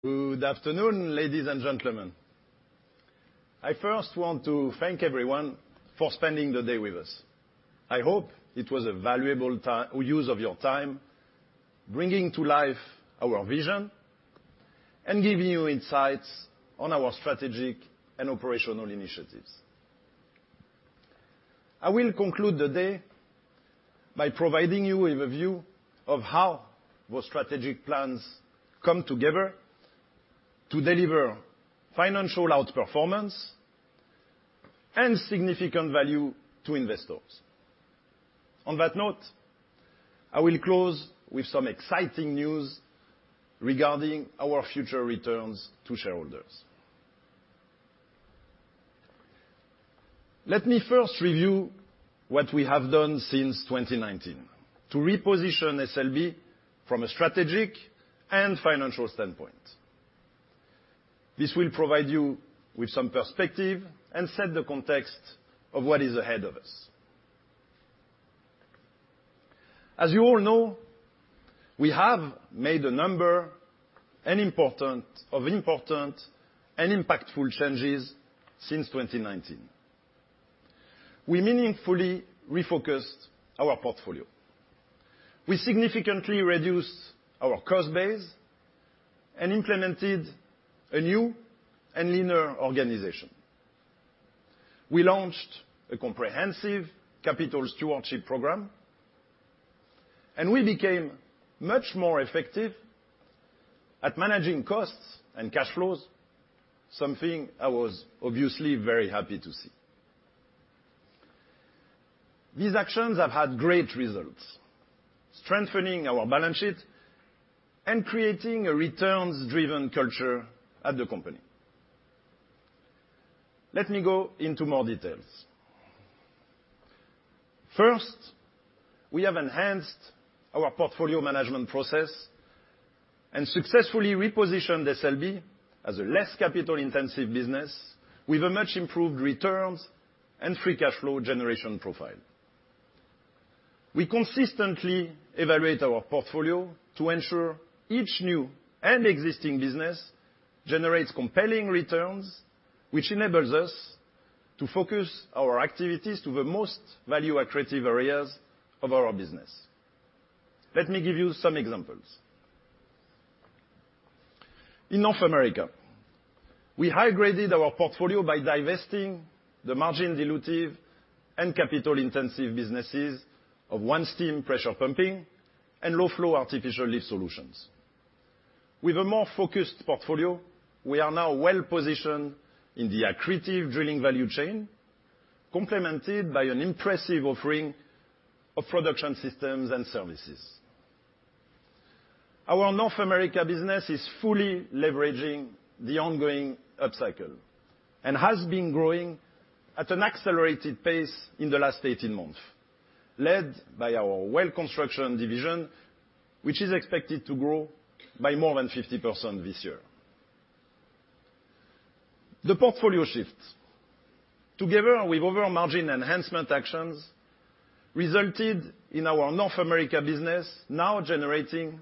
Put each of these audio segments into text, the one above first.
Good afternoon, ladies and gentlemen. I first want to thank everyone for spending the day with us. I hope it was a valuable use of your time, bringing to life our vision and giving you insights on our strategic and operational initiatives. I will conclude the day by providing you with a view of how those strategic plans come together to deliver financial outperformance and significant value to investors. On that note, I will close with some exciting news regarding our future returns to shareholders. Let me first review what we have done since 2019 to reposition SLB from a strategic and financial standpoint. This will provide you with some perspective and set the context of what is ahead of us. As you all know, we have made a number of important and impactful changes since 2019. We meaningfully refocused our portfolio. We significantly reduced our cost base and implemented a new and leaner organization. We launched a comprehensive capital stewardship program, and we became much more effective at managing costs and cash flows, something I was obviously very happy to see. These actions have had great results, strengthening our balance sheet and creating a returns-driven culture at the company. Let me go into more details. First, we have enhanced our portfolio management process and successfully repositioned SLB as a less capital-intensive business with a much improved returns and free cash flow generation profile. We consistently evaluate our portfolio to ensure each new and existing business generates compelling returns, which enables us to focus our activities to the most value-accretive areas of our business. Let me give you some examples. In North America, we high-graded our portfolio by divesting the margin-dilutive and capital-intensive businesses of OneStim pressure pumping and rod lift. With a more focused portfolio, we are now well-positioned in the accretive drilling value chain, complemented by an impressive offering of Production Systems and services. Our North America business is fully leveraging the ongoing upcycle and has been growing at an accelerated pace in the last 18 months, led by our well construction division, which is expected to grow by more than 50% this year. The portfolio shifts, together with overall margin enhancement actions, resulted in our North America business now generating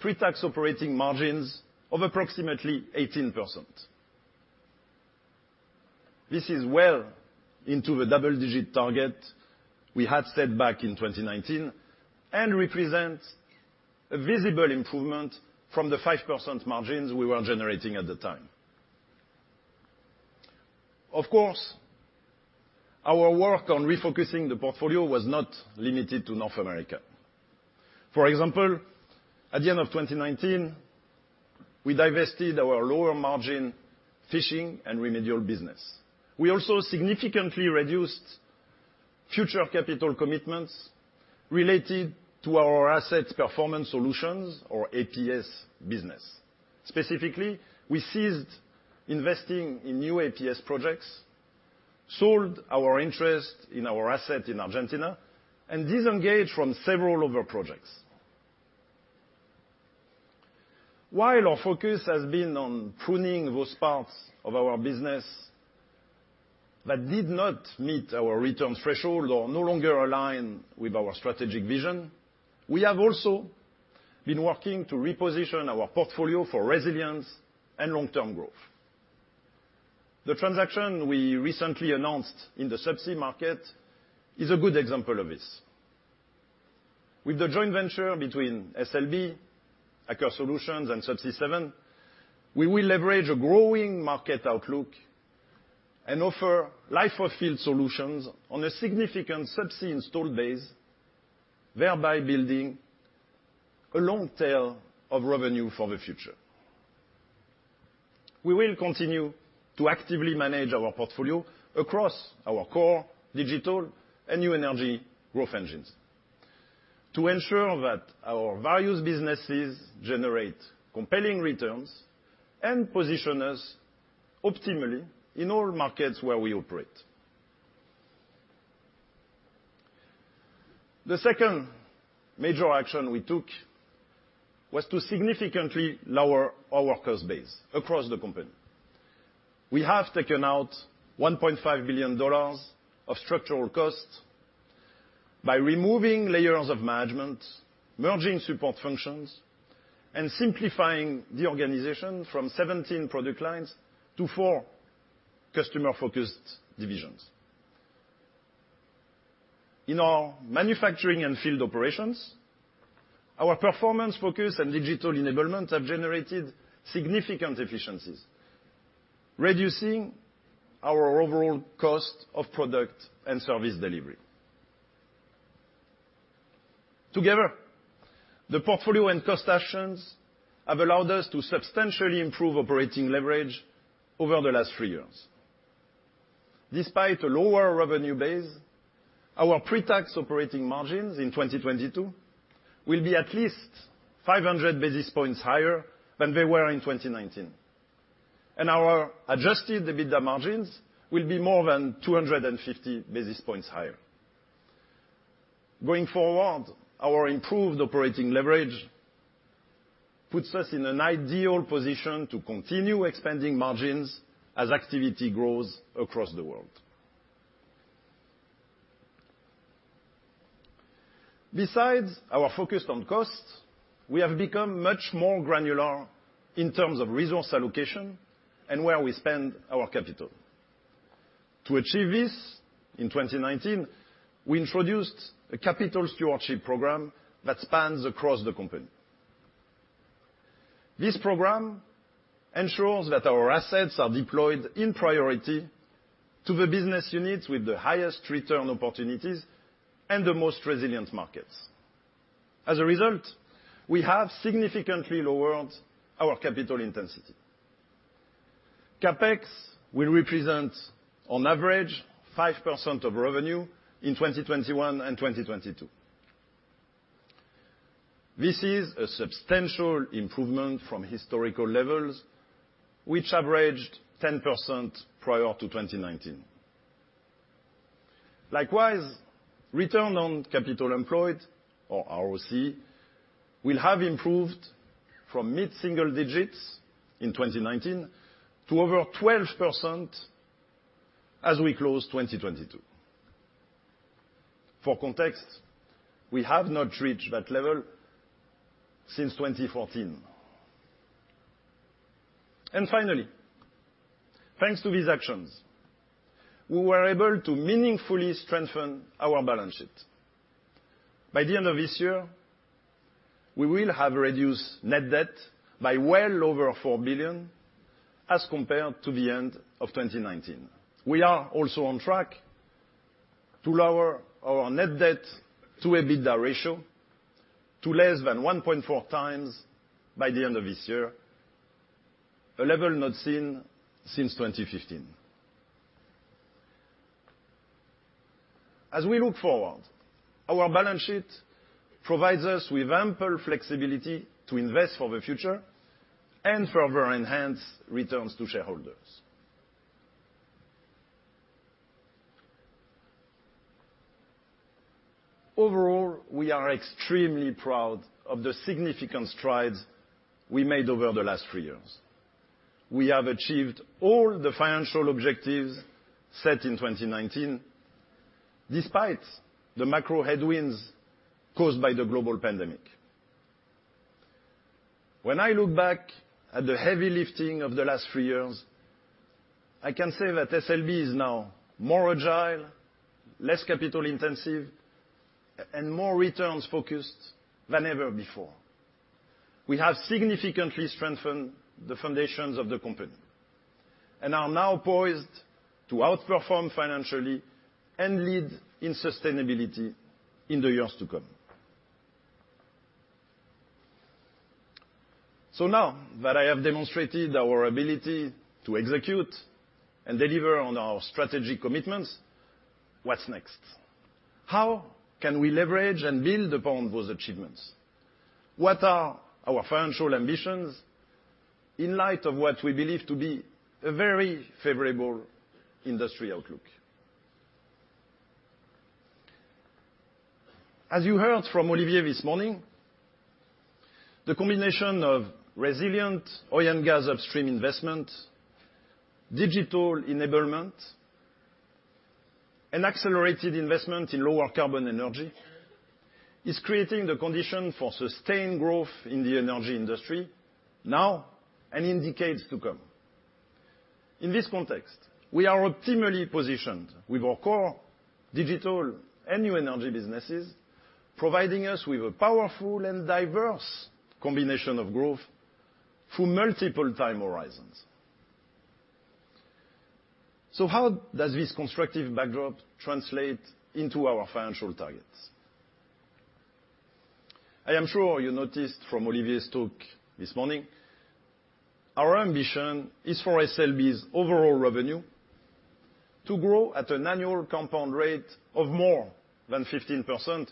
pre-tax operating margins of approximately 18%. This is well into the double-digit target we had set back in 2019 and represents a visible improvement from the 5% margins we were generating at the time. Of course, our work on refocusing the portfolio was not limited to North America. For example, at the end of 2019, we divested our lower-margin fishing and remedial business. We also significantly reduced future capital commitments related to our asset performance solutions or APS business. Specifically, we ceased investing in new APS projects, sold our interest in our asset in Argentina, and disengaged from several other projects. While our focus has been on pruning those parts of our business that did not meet our returns threshold or no longer align with our strategic vision, we have also been working to reposition our portfolio for resilience and long-term growth. The transaction we recently announced in the subsea market is a good example of this. With the joint venture between SLB, Aker Solutions and Subsea 7, we will leverage a growing market outlook and offer life-of-field solutions on a significant subsea installed base, thereby building a long tail of revenue for the future. We will continue to actively manage our portfolio across our core, digital and new energy growth engines to ensure that our various businesses generate compelling returns and position us optimally in all markets where we operate. The second major action we took was to significantly lower our cost base across the company. We have taken out $1.5 billion of structural costs by removing layers of management, merging support functions, and simplifying the organization from 17 product lines to four customer-focused divisions. In our manufacturing and field operations, our performance focus and digital enablement have generated significant efficiencies, reducing our overall cost of product and service delivery. Together, the portfolio and cost actions have allowed us to substantially improve operating leverage over the last three years. Despite a lower revenue base, our pre-tax operating margins in 2022 will be at least 500 basis points higher than they were in 2019. Our adjusted EBITDA margins will be more than 250 basis points higher. Going forward, our improved operating leverage puts us in an ideal position to continue expanding margins as activity grows across the world. Besides our focus on costs, we have become much more granular in terms of resource allocation and where we spend our capital. To achieve this, in 2019, we introduced a capital stewardship program that spans across the company. This program ensures that our assets are deployed in priority to the business units with the highest return opportunities and the most resilient markets. As a result, we have significantly lowered our capital intensity. CapEx will represent on average 5% of revenue in 2021 and 2022. This is a substantial improvement from historical levels which averaged 10% prior to 2019. Likewise, return on capital employed, or ROC, will have improved from mid-single digits in 2019 to over 12% as we close 2022. For context, we have not reached that level since 2014. Finally, thanks to these actions, we were able to meaningfully strengthen our balance sheet. By the end of this year, we will have reduced net debt by well over $4 billion as compared to the end of 2019. We are also on track to lower our net debt to EBITDA ratio to less than 1.4x by the end of this year, a level not seen since 2015. As we look forward, our balance sheet provides us with ample flexibility to invest for the future and further enhance returns to shareholders. Overall, we are extremely proud of the significant strides we made over the last three years. We have achieved all the financial objectives set in 2019 despite the macro headwinds caused by the global pandemic. When I look back at the heavy lifting of the last three years, I can say that SLB is now more agile, less capital intensive, and more returns focused than ever before. We have significantly strengthened the foundations of the company and are now poised to outperform financially and lead in sustainability in the years to come. Now that I have demonstrated our ability to execute and deliver on our strategy commitments, what's next? How can we leverage and build upon those achievements? What are our financial ambitions in light of what we believe to be a very favorable industry outlook? As you heard from Olivier this morning, the combination of resilient oil and gas upstream investment, digital enablement, and accelerated investment in lower carbon energy is creating the condition for sustained growth in the energy industry now and in decades to come. In this context, we are optimally positioned with our core digital and new energy businesses, providing us with a powerful and diverse combination of growth through multiple time horizons. How does this constructive backdrop translate into our financial targets? I am sure you noticed from Olivier's talk this morning our ambition is for SLB's overall revenue to grow at an annual compound rate of more than 15%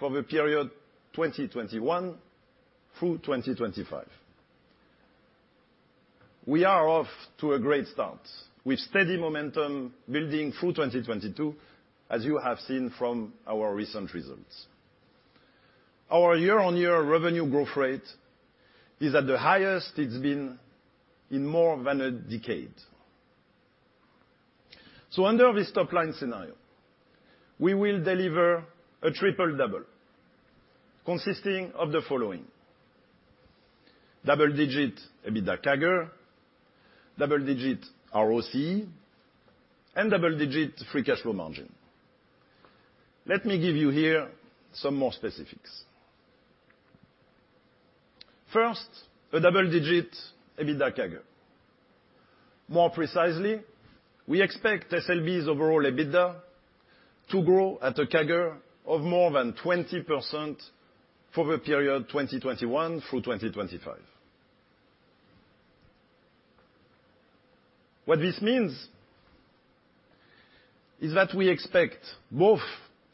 for the period 2021 through 2025. We are off to a great start with steady momentum building through 2022, as you have seen from our recent results. Our year-on-year revenue growth rate is at the highest it's been in more than a decade. Under this top-line scenario, we will deliver a triple-double consisting of the following. Double-digit EBITDA CAGR, double-digit ROCE, and double-digit free cash flow margin. Let me give you here some more specifics. First, a double-digit EBITDA CAGR. More precisely, we expect SLB's overall EBITDA to grow at a CAGR of more than 20% for the period 2021 through 2025. What this means is that we expect both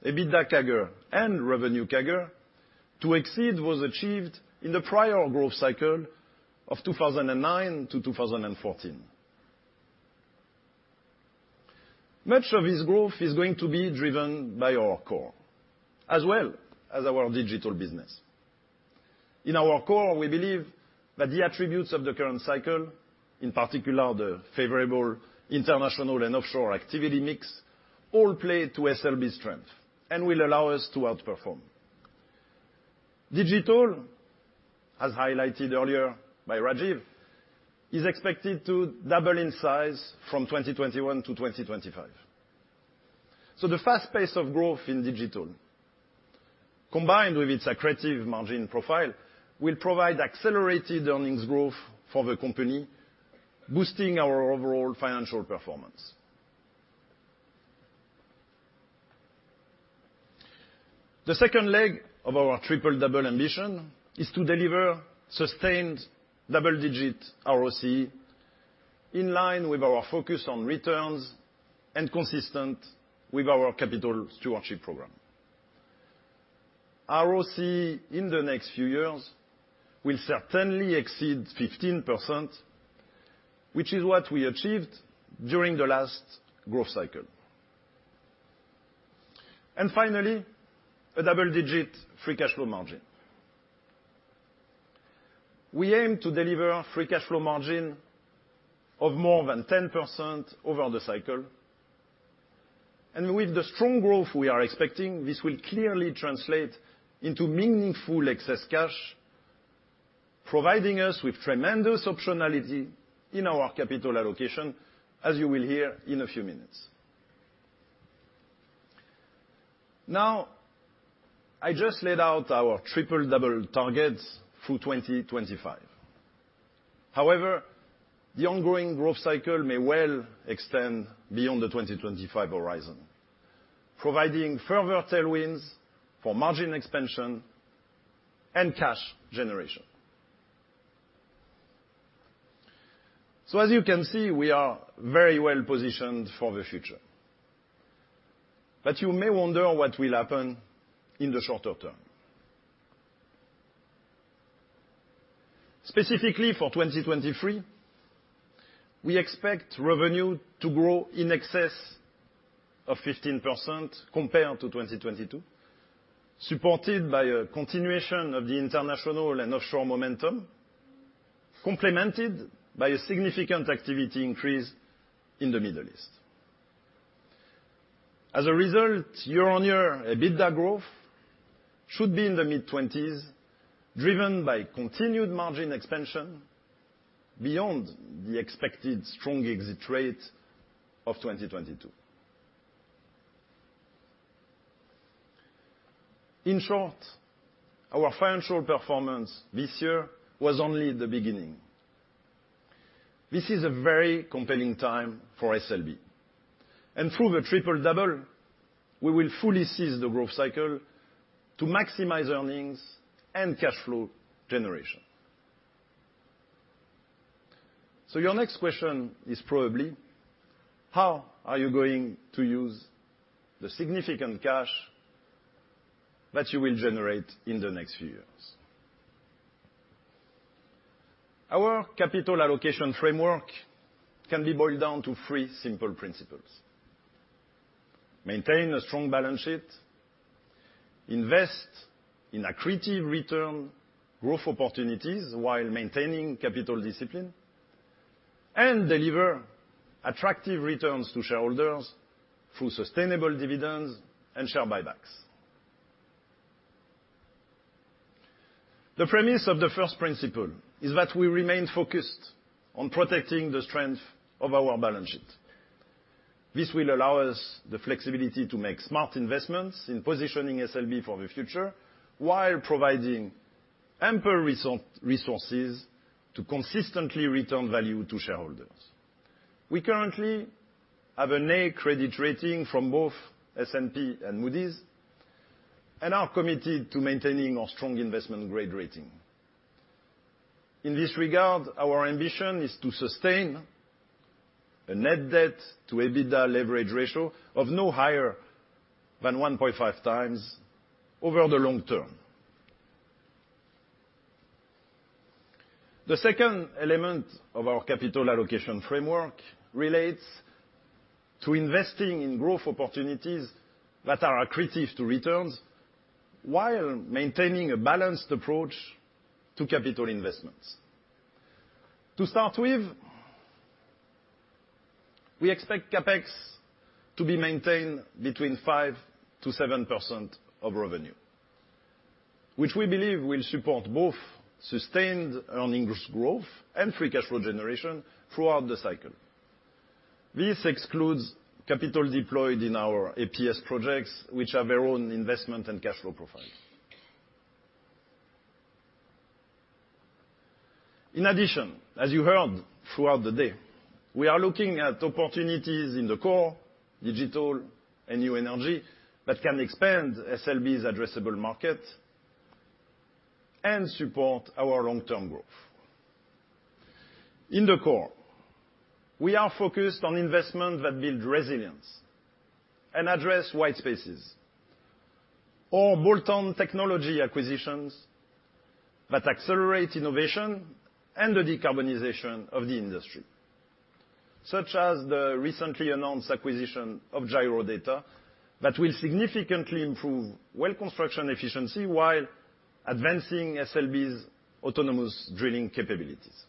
EBITDA CAGR and revenue CAGR to exceed what was achieved in the prior growth cycle of 2009 to 2014. Much of this growth is going to be driven by our core, as well as our digital business. In our core, we believe that the attributes of the current cycle, in particular, the favorable international and offshore activity mix, all play to SLB's strength and will allow us to outperform. Digital, as highlighted earlier by Rajiv, is expected to double in size from 2021 to 2025. The fast pace of growth in digital, combined with its accretive margin profile, will provide accelerated earnings growth for the company, boosting our overall financial performance. The second leg of our triple-double ambition is to deliver sustained double-digit ROCE in line with our focus on returns and consistent with our capital stewardship program. ROCE in the next few years will certainly exceed 15%, which is what we achieved during the last growth cycle. Finally, a double-digit free cash flow margin. We aim to deliver free cash flow margin of more than 10% over the cycle. With the strong growth we are expecting, this will clearly translate into meaningful excess cash, providing us with tremendous optionality in our capital allocation, as you will hear in a few minutes. Now, I just laid out our triple-double targets through 2025. However, the ongoing growth cycle may well extend beyond the 2025 horizon, providing further tailwinds for margin expansion and cash generation. As you can see, we are very well positioned for the future. You may wonder what will happen in the shorter term. Specifically, for 2023, we expect revenue to grow in excess of 15% compared to 2022, supported by a continuation of the international and offshore momentum, complemented by a significant activity increase in the Middle East. As a result, year-on-year EBITDA growth should be in the mid-20s%, driven by continued margin expansion beyond the expected strong exit rate of 2022. In short, our financial performance this year was only the beginning. This is a very compelling time for SLB, and through the triple-double, we will fully seize the growth cycle to maximize earnings and cash flow generation. Your next question is probably, how are you going to use the significant cash that you will generate in the next few years? Our capital allocation framework can be boiled down to three simple principles. Maintain a strong balance sheet, invest in accretive return growth opportunities while maintaining capital discipline, and deliver attractive returns to shareholders through sustainable dividends and share buybacks. The premise of the first principle is that we remain focused on protecting the strength of our balance sheet. This will allow us the flexibility to make smart investments in positioning SLB for the future while providing ample resources to consistently return value to shareholders. We currently have an A credit rating from both S&P and Moody's and are committed to maintaining our strong investment grade rating. In this regard, our ambition is to sustain a net debt to EBITDA leverage ratio of no higher than 1.5x over the long term. The second element of our capital allocation framework relates to investing in growth opportunities that are accretive to returns while maintaining a balanced approach to capital investments. To start with, we expect CapEx to be maintained between 5%-7% of revenue, which we believe will support both sustained earnings growth and free cash flow generation throughout the cycle. This excludes capital deployed in our APS projects, which have their own investment and cash flow profile. In addition, as you heard throughout the day, we are looking at opportunities in the core, digital, and new energy that can expand SLB's addressable market and support our long-term growth. In the core, we are focused on investments that build resilience and address white spaces or bolt-on technology acquisitions that accelerate innovation and the decarbonization of the industry. Such as the recently announced acquisition of Gyrodata, that will significantly improve well construction efficiency while advancing SLB's autonomous drilling capabilities.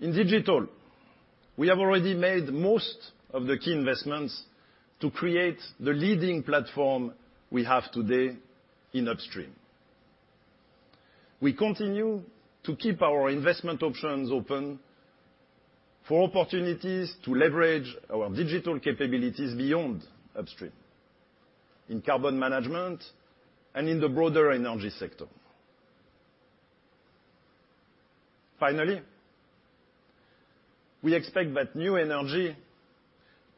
In digital, we have already made most of the key investments to create the leading platform we have today in upstream. We continue to keep our investment options open for opportunities to leverage our digital capabilities beyond upstream, in carbon management, and in the broader energy sector. Finally, we expect that new energy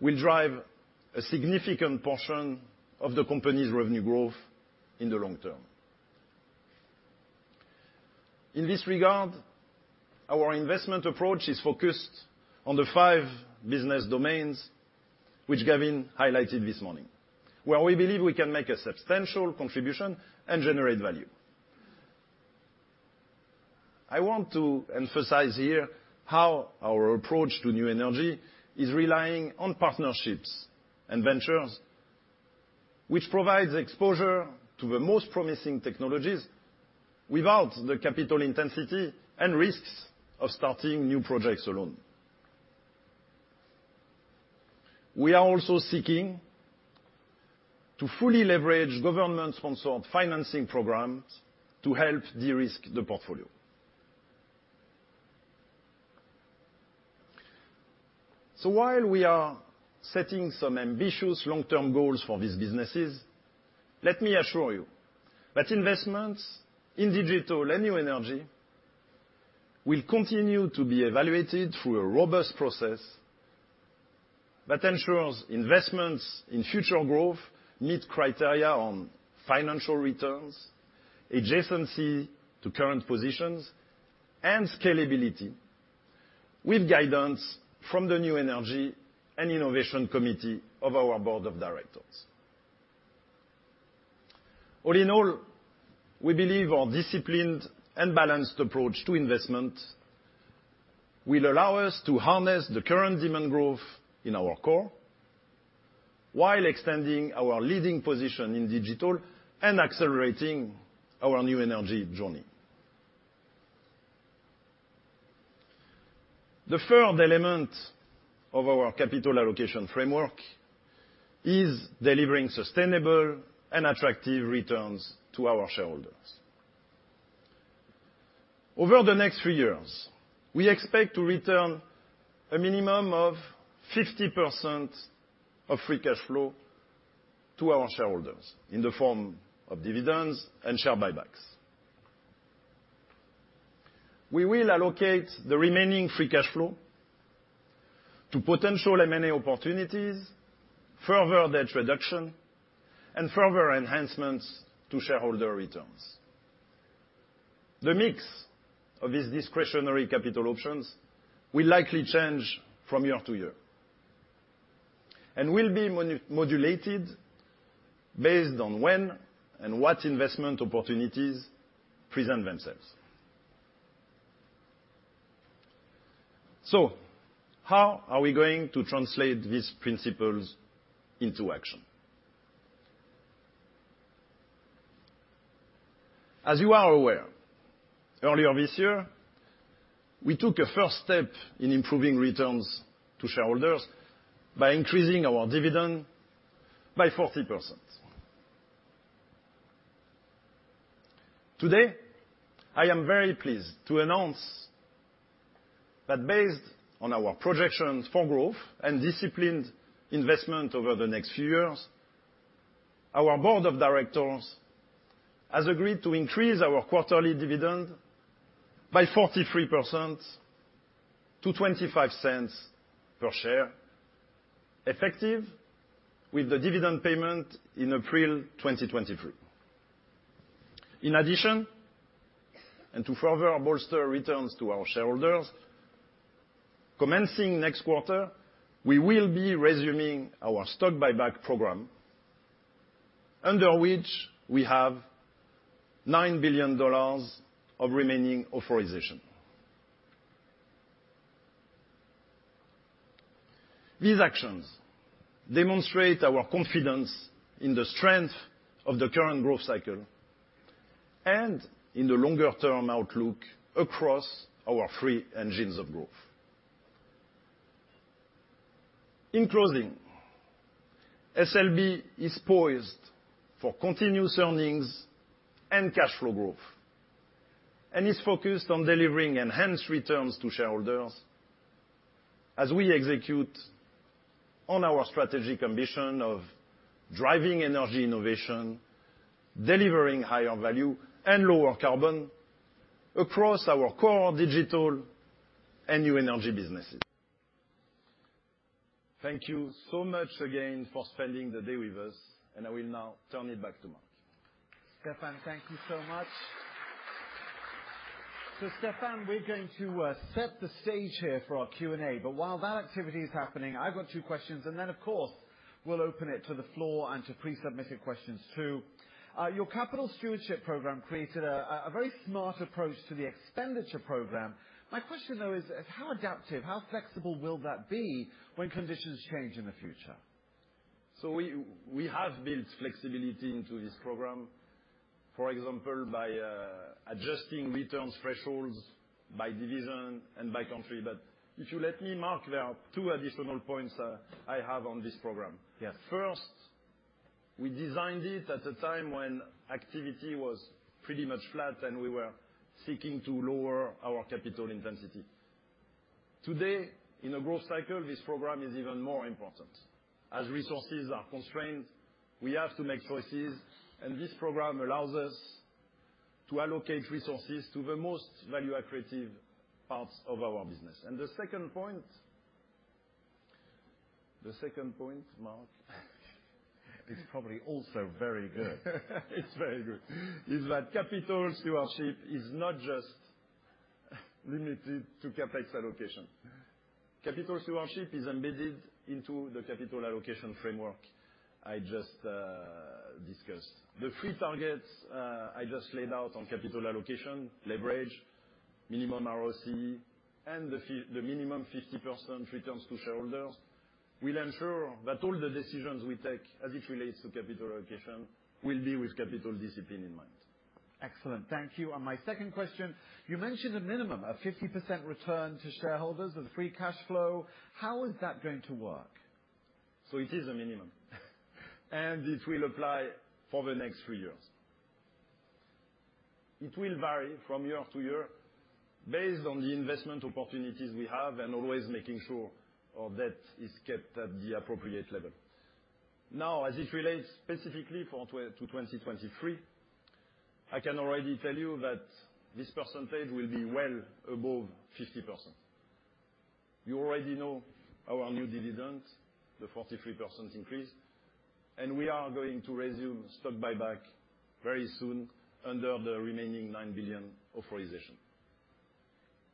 will drive a significant portion of the company's revenue growth in the long term. In this regard, our investment approach is focused on the five business domains which Gavin highlighted this morning, where we believe we can make a substantial contribution and generate value. I want to emphasize here how our approach to new energy is relying on partnerships and ventures, which provides exposure to the most promising technologies without the capital intensity and risks of starting new projects alone. We are also seeking to fully leverage government-sponsored financing programs to help de-risk the portfolio. While we are setting some ambitious long-term goals for these businesses, let me assure you that investments in digital and new energy will continue to be evaluated through a robust process that ensures investments in future growth meet criteria on financial returns, adjacency to current positions, and scalability, with guidance from the New Energy and Innovation Committee of our Board of Directors. All in all, we believe our disciplined and balanced approach to investment will allow us to harness the current demand growth in our core while extending our leading position in digital and accelerating our new energy journey. The third element of our capital allocation framework is delivering sustainable and attractive returns to our shareholders. Over the next few years, we expect to return a minimum of 50% of free cash flow to our shareholders in the form of dividends and share buybacks. We will allocate the remaining free cash flow to potential M&A opportunities, further debt reduction, and further enhancements to shareholder returns. The mix of these discretionary capital options will likely change from year to year and will be modulated based on when and what investment opportunities present themselves. How are we going to translate these principles into action? As you are aware, earlier this year, we took a first step in improving returns to shareholders by increasing our dividend by 40%. Today, I am very pleased to announce that based on our projections for growth and disciplined investment over the next few years, our board of directors has agreed to increase our quarterly dividend by 43% to $0.25 per share, effective with the dividend payment in April 2023. In addition, and to further bolster returns to our shareholders. Commencing next quarter, we will be resuming our stock buyback program, under which we have $9 billion of remaining authorization. These actions demonstrate our confidence in the strength of the current growth cycle and in the longer term outlook across our three engines of growth. In closing, SLB is poised for continuous earnings and cash flow growth, and is focused on delivering enhanced returns to shareholders as we execute on our strategic ambition of driving energy innovation, delivering higher value and lower carbon across our core digital and new energy businesses. Thank you so much again for spending the day with us, and I will now turn it back to Mark. Stephane, thank you so much. Stephane, we're going to set the stage here for our Q&A, but while that activity is happening, I've got two questions, and then of course, we'll open it to the floor and to pre-submitted questions too. Your capital stewardship program created a very smart approach to the expenditure program. My question though is how adaptive, how flexible will that be when conditions change in the future? We have built flexibility into this program, for example, by adjusting returns thresholds by division and by country. If you let me, Mark, there are two additional points I have on this program. Yeah. First, we designed it at a time when activity was pretty much flat, and we were seeking to lower our capital intensity. Today, in a growth cycle, this program is even more important. As resources are constrained, we have to make choices, and this program allows us to allocate resources to the most value-accretive parts of our business. The second point, Mark-It's probably also very good. It's very good. That capital stewardship is not just limited to CapEx allocation. Capital stewardship is embedded into the capital allocation framework I just discussed. The three targets I just laid out on capital allocation, leverage, minimum ROCE, and the minimum 50% returns to shareholders will ensure that all the decisions we take as it relates to capital allocation will be with capital discipline in mind. Excellent. Thank you. My second question, you mentioned a minimum of 50% return to shareholders of the free cash flow. How is that going to work? It is a minimum. It will apply for the next three years. It will vary from year-to-year based on the investment opportunities we have and always making sure our debt is kept at the appropriate level. Now, as it relates specifically to 2023, I can already tell you that this percentage will be well above 50%. You already know our new dividend, the 43% increase, and we are going to resume stock buyback very soon under the remaining $9 billion authorization.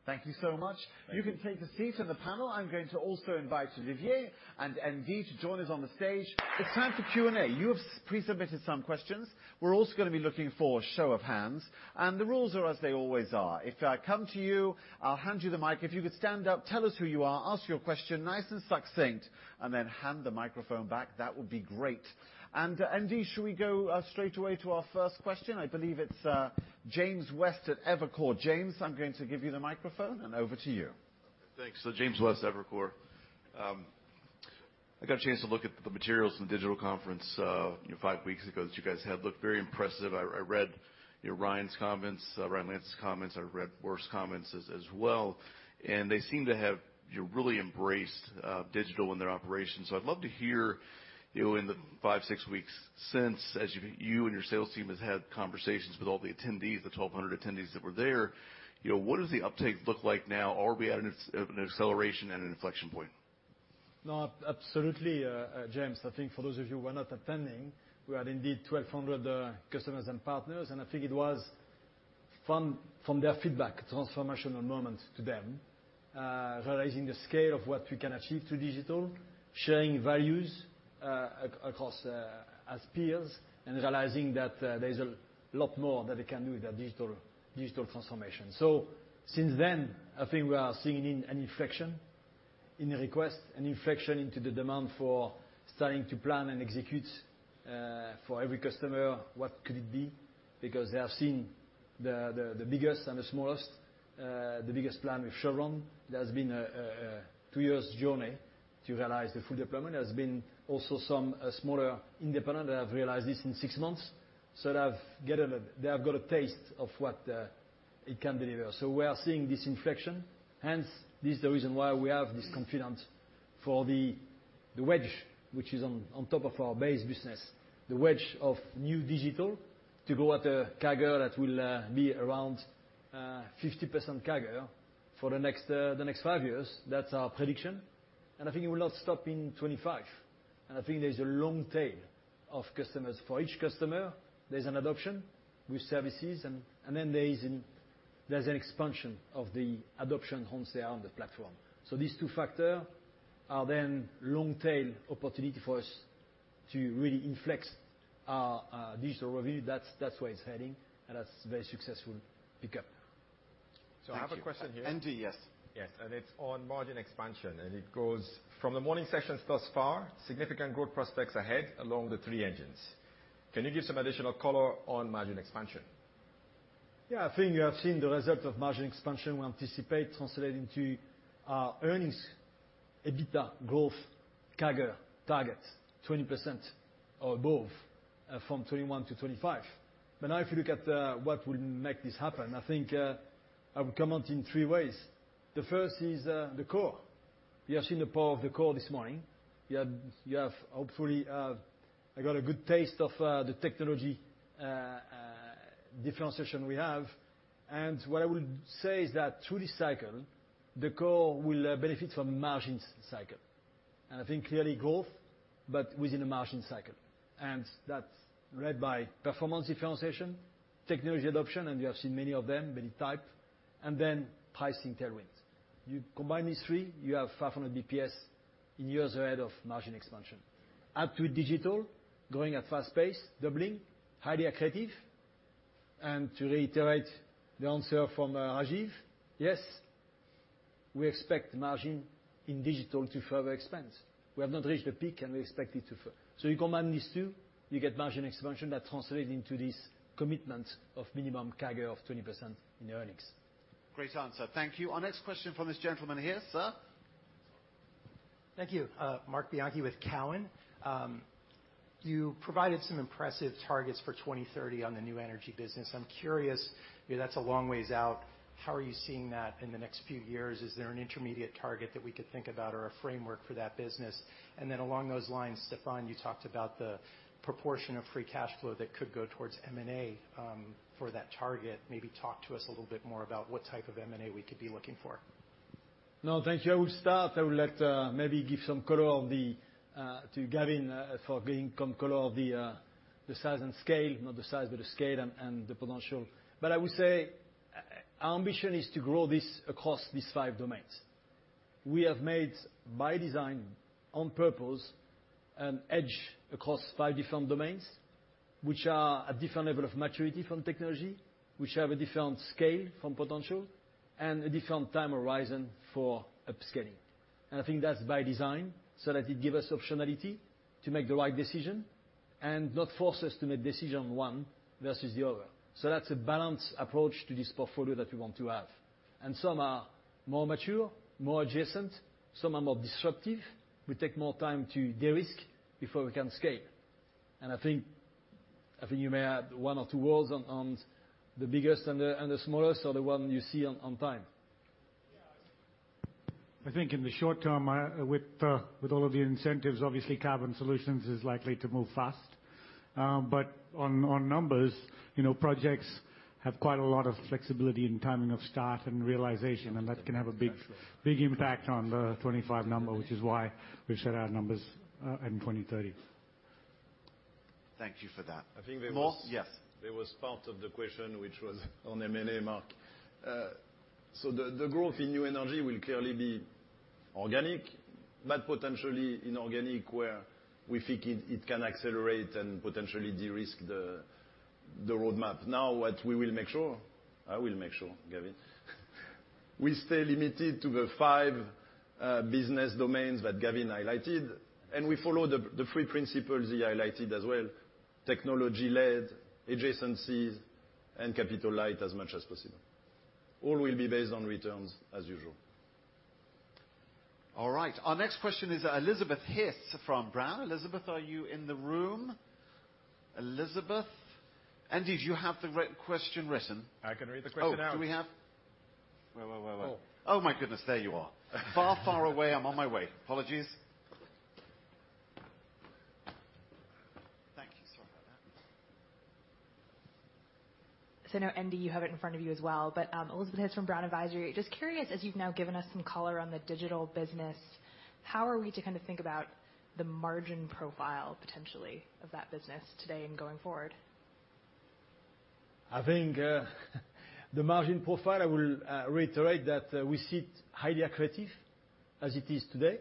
Thank you so much. Thank you. You can take a seat in the panel. I'm going to also invite Olivier and ND to join us on the stage. It's time for Q&A. You have pre-submitted some questions. We're also gonna be looking for show of hands, and the rules are as they always are. If I come to you, I'll hand you the mic. If you could stand up, tell us who you are, ask your question nice and succinct, and then hand the microphone back, that would be great. ND, should we go straight away to our first question? I believe it's James West at Evercore. James, I'm going to give you the microphone, and over to you. Thanks. James West, Evercore. I got a chance to look at the materials in the digital conference, you know, five weeks ago that you guys had. Looked very impressive. I read, you know, Ryan Lance's comments. I read Boris' comments as well, and they seem to have, you know, really embraced digital in their operations. I'd love to hear, you know, in the five to six weeks since, as you and your sales team has had conversations with all the attendees, the 1,200 attendees that were there. You know, what does the uptake look like now? Are we at an acceleration and an inflection point? No, absolutely, James. I think for those of you who were not attending, we had indeed 1,200 customers and partners, and I think it was from their feedback, transformational moment to them, realizing the scale of what we can achieve through digital, sharing values across as peers, and realizing that there's a lot more that we can do with our digital transformation. Since then, I think we are seeing an inflection in the request, an inflection into the demand for starting to plan and execute for every customer. What could it be? Because they have seen the biggest and the smallest, the biggest plan with Chevron, that has been a two years journey to realize the full deployment. There's been also some smaller independent that have realized this in six months. They have got a taste of what it can deliver. We are seeing this inflection, hence this is the reason why we have this confidence for the wedge which is on top of our base business, the wedge of new digital to grow at a CAGR that will be around 50% CAGR for the next five years. That's our prediction. I think it will not stop in 2025. I think there's a long tail of customers. For each customer, there's an adoption with services and then there's an expansion of the adoption on scale on the platform. These two factors are then long tail opportunity for us to really inflect our digital revenue. That's where it's heading, and that's very successful uptake. I have a question here. ND, yes. Yes. It's on margin expansion. It goes from the morning sessions thus far, significant growth prospects ahead along the three engines. Can you give some additional color on margin expansion? Yeah. I think you have seen the result of margin expansion we anticipate translating to earnings, EBITDA growth, CAGR targets 20% or above from 2021 to 2025. Now if you look at what will make this happen, I think I will comment in three ways. The first is the core. You have seen the power of the core this morning. You have hopefully got a good taste of the technology differentiation we have. What I will say is that through this cycle, the core will benefit from margins cycle. I think clearly growth, but within a margin cycle. That's led by performance differentiation, technology adoption, and you have seen many of them, many type, and then pricing tailwinds. You combine these three, you have 500 basis points in years ahead of margin expansion. Add to it digital, growing at fast pace, doubling, highly accretive. To reiterate the answer from, Rajiv, yes, we expect margin in digital to further expand. We have not reached a peak, and we expect it to further. You combine these two, you get margin expansion that translate into this commitment of minimum CAGR of 20% in earnings. Great answer. Thank you. Our next question from this gentleman here. Sir. Thank you. Marc Bianchi with TD Cowen. You provided some impressive targets for 2030 on the new energy business. I'm curious, that's a long ways out, how are you seeing that in the next few years? Is there an intermediate target that we could think about or a framework for that business? Along those lines, Stephane, you talked about the proportion of free cash flow that could go towards M&A for that target. Maybe talk to us a little bit more about what type of M&A we could be looking for. No, thank you. I will start. I will let Gavin give some color on the size and scale, not the size, but the scale and the potential. I would say our ambition is to grow this across these five domains. We have made by design, on purpose, an edge across five different domains, which are a different level of maturity from technology, which have a different scale from potential and a different time horizon for upscaling. I think that's by design, so that it give us optionality to make the right decision and not force us to make decision one versus the other. That's a balanced approach to this portfolio that we want to have. Some are more mature, more adjacent. Some are more disruptive. We take more time to de-risk before we can scale. I think you may add one or two words on the biggest and the smallest or the one you see on time. I think in the short term, with all of the incentives, obviously carbon solutions is likely to move fast. On numbers, you know, projects have quite a lot of flexibility in timing of start and realization, and that can have a big impact on the 2025 number, which is why we've set our numbers in 2030. Thank you for that. I think there was. More? Yes. There was part of the question which was on M&A, Mark. So the growth in new energy will clearly be organic, but potentially inorganic where we think it can accelerate and potentially de-risk the roadmap. Now, I will make sure, c, we stay limited to the five business domains that Gavin highlighted, and we follow the three principles he highlighted as well, technology led, adjacencies, and capital light as much as possible. All will be based on returns as usual. All right. Our next question is Elizabeth Hiss from Brown. Elizabeth, are you in the room? Elizabeth? ND, do you have the question written? I can read the question out. Oh my goodness, there you are. Far, far away. I'm on my way. Apologies. Thank you. Sorry about that. I know, ND, you have it in front of you as well. Elizabeth Hiss from Brown Advisory. Just curious, as you've now given us some color on the digital business, how are we to kind of think about the margin profile potentially of that business today and going forward? I think the margin profile. I will reiterate that we see it highly accretive as it is today,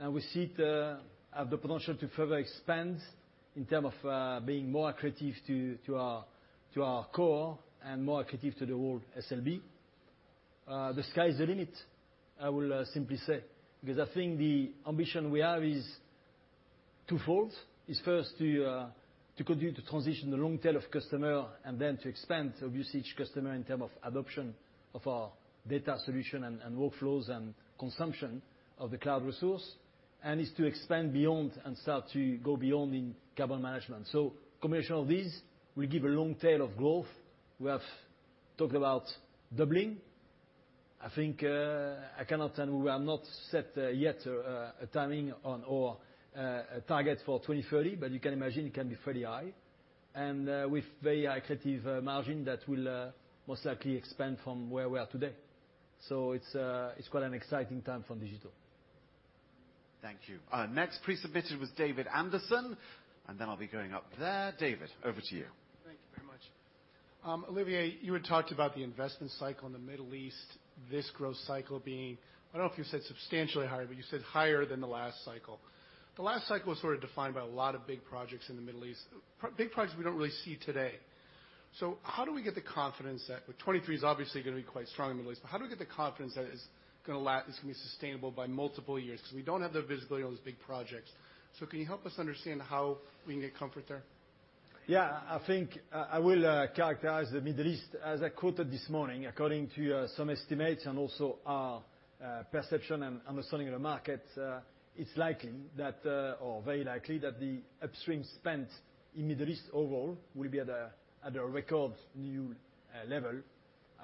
and we see it have the potential to further expand in terms of being more accretive to our core and more accretive to the whole SLB. The sky's the limit, I will simply say, because I think the ambition we have is twofold. First to continue to transition the long tail of customers and then to expand across each customer in terms of adoption of our data solution and workflows and consumption of the cloud resource, and to expand beyond and start to go beyond in carbon management. Combination of these will give a long tail of growth. We have talked about doubling. I think I cannot tell you, we have not set yet a timing on, or a target for 2030, but you can imagine it can be fairly high. With very attractive margin that will most likely expand from where we are today. It's quite an exciting time for digital. Thank you. Next pre-submitted was David Anderson, and then I'll be going up there. David, over to you. Thank you very much. Olivier, you had talked about the investment cycle in the Middle East, this growth cycle being, I don't know if you said substantially higher, but you said higher than the last cycle. The last cycle was sort of defined by a lot of big projects in the Middle East. Big projects we don't really see today. How do we get the confidence that, well, 2023 is obviously gonna be quite strong in the Middle East, but how do we get the confidence that it's gonna last, it's gonna be sustainable by multiple years? 'Cause we don't have the visibility on those big projects. Can you help us understand how we can get comfort there? Yeah. I think I will characterize the Middle East as I quoted this morning, according to some estimates and also our perception and understanding of the market, it's likely that or very likely that the upstream spend in Middle East overall will be at a record new level.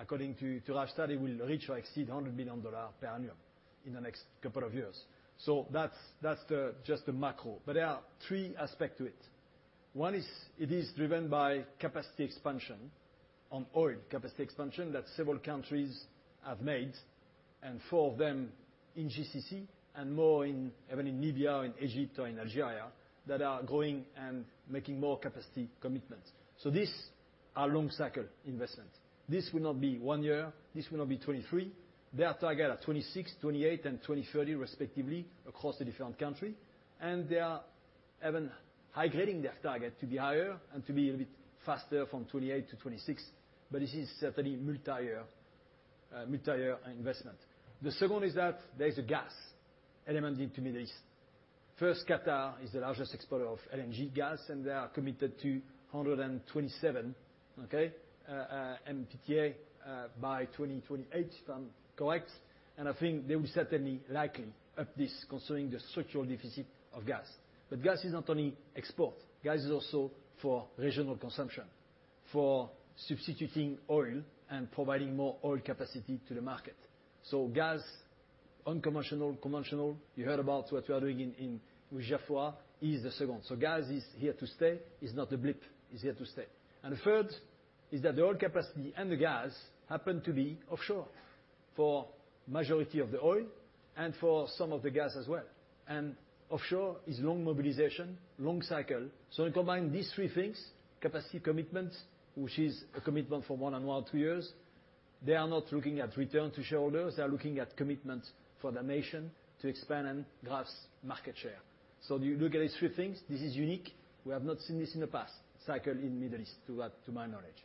According to our study, we'll reach or exceed $100 billion per annum in the next couple of years. That's just the macro. There are three aspects to it. One is it is driven by capacity expansion on oil. Capacity expansion that several countries have made, and four of them in GCC and more, even in Libya, in Egypt, or in Algeria, that are going and making more capacity commitments. These are long cycle investments. This will not be one year, this will not be 2023. Their target are 2026, 2028, and 2030 respectively across the different country. They are even high-grading their target to be higher and to be a bit faster from 2028 to 2026. This is certainly multi-year investment. The second is that there is a gas element in the Middle East. Qatar is the largest exporter of LNG gas, and they are committed to 127 MTPA by 2028, if I'm correct. I think they will certainly likely up this considering the structural deficit of gas. Gas is not only export, gas is also for regional consumption, for substituting oil and providing more oil capacity to the market. Gas, unconventional, conventional, you heard about what we are doing in Jafurah is the second. Gas is here to stay. It's not a blip. It's here to stay. The third is that the oil capacity and the gas happen to be offshore for majority of the oil and for some of the gas as well. Offshore is long mobilization, long cycle. You combine these three things, capacity commitments, which is a commitment for more than one, two years. They are not looking at return to shareholders. They are looking at commitments for the nation to expand and grasp market share. You look at these three things. This is unique. We have not seen this in the past cycle in Middle East to my knowledge.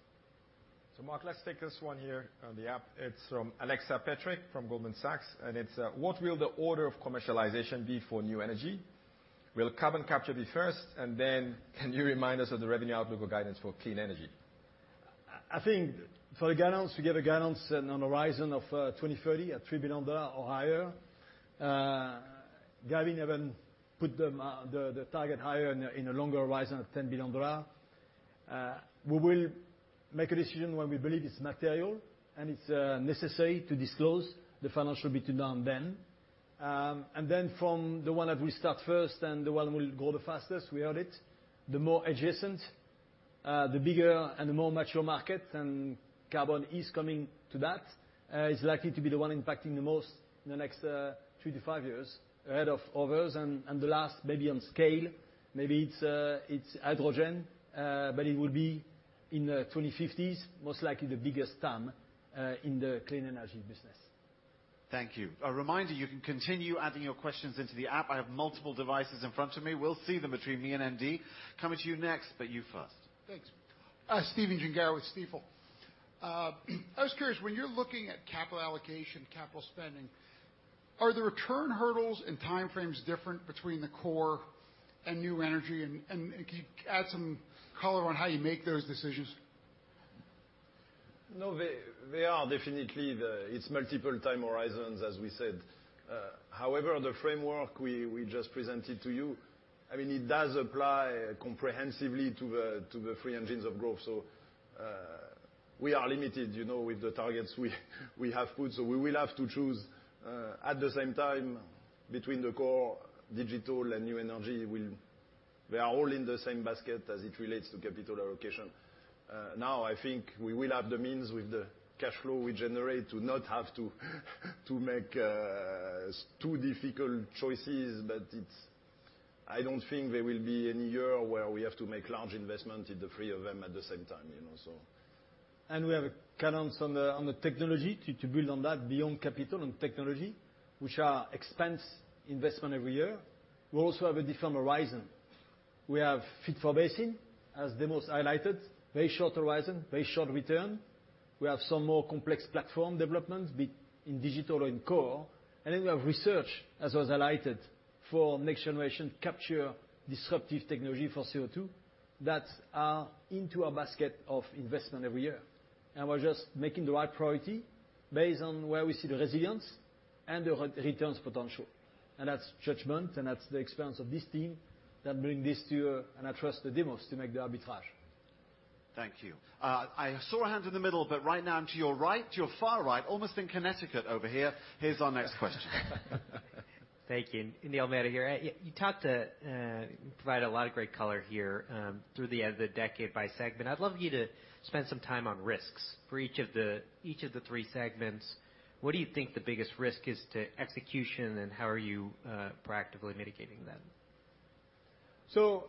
Mark, let's take this one here on the app. It's from Alexa Patrick from Goldman Sachs, and it's what will the order of commercialization be for new energy? Will carbon capture be first? Can you remind us of the revenue outlook or guidance for clean energy? I think for the guidance, we gave a guidance on the horizon of 2030 at $3 billion or higher. Gavin even put the target higher in a longer horizon at $10 billion. We will make a decision when we believe it's material, and it's necessary to disclose the financial between now and then. From the one that we start first and the one will grow the fastest, the more adjacent, the bigger and the more mature market, and carbon is coming to that. It's likely to be the one impacting the most in the next two to five years ahead of others. The last maybe on scale, maybe it's hydrogen, but it will be in the 2050s, most likely the biggest TAM in the clean energy business. Thank you. A reminder, you can continue adding your questions into the app. I have multiple devices in front of me. We'll see them between me and ND. Coming to you next, but you first. Thanks. Stephen Gengaro with Stifel. I was curious, when you're looking at capital allocation, capital spending, are the return hurdles and time frames different between the core and new energy? Add some color on how you make those decisions. No, they are definitely. It's multiple time horizons, as we said. However, the framework we just presented to you, I mean, it does apply comprehensively to the three engines of growth. We are limited, you know, with the targets we have put, so we will have to choose at the same time between the core, digital, and new energy. They are all in the same basket as it relates to capital allocation. Now I think we will have the means with the cash flow we generate to not have to make too difficult choices, but it's. I don't think there will be any year where we have to make large investment in the three of them at the same time, you know, so. We have a guidance on the technology to build on that beyond capital and technology, which are expense investment every year. We also have a different horizon. We have fit for basin, as Demos highlighted, very short horizon, very short return. We have some more complex platform developments in digital or in core. Then we have research, as was highlighted, for next generation capture disruptive technology for CO2 that are into our basket of investment every year. We're just making the right priority based on where we see the resilience and the returns potential. That's judgment, and that's the experience of this team that bring this to you. I trust Demos to make the arbitrage. Thank you. I saw a hand in the middle, but right now to your right, to your far right, almost in Connecticut over here. Here's our next question. Thank you. Neil Mehta here. Yeah, you talked to provide a lot of great color here through the end of the decade by segment. I'd love you to spend some time on risks for each of the three segments. What do you think the biggest risk is to execution, and how are you practically mitigating them?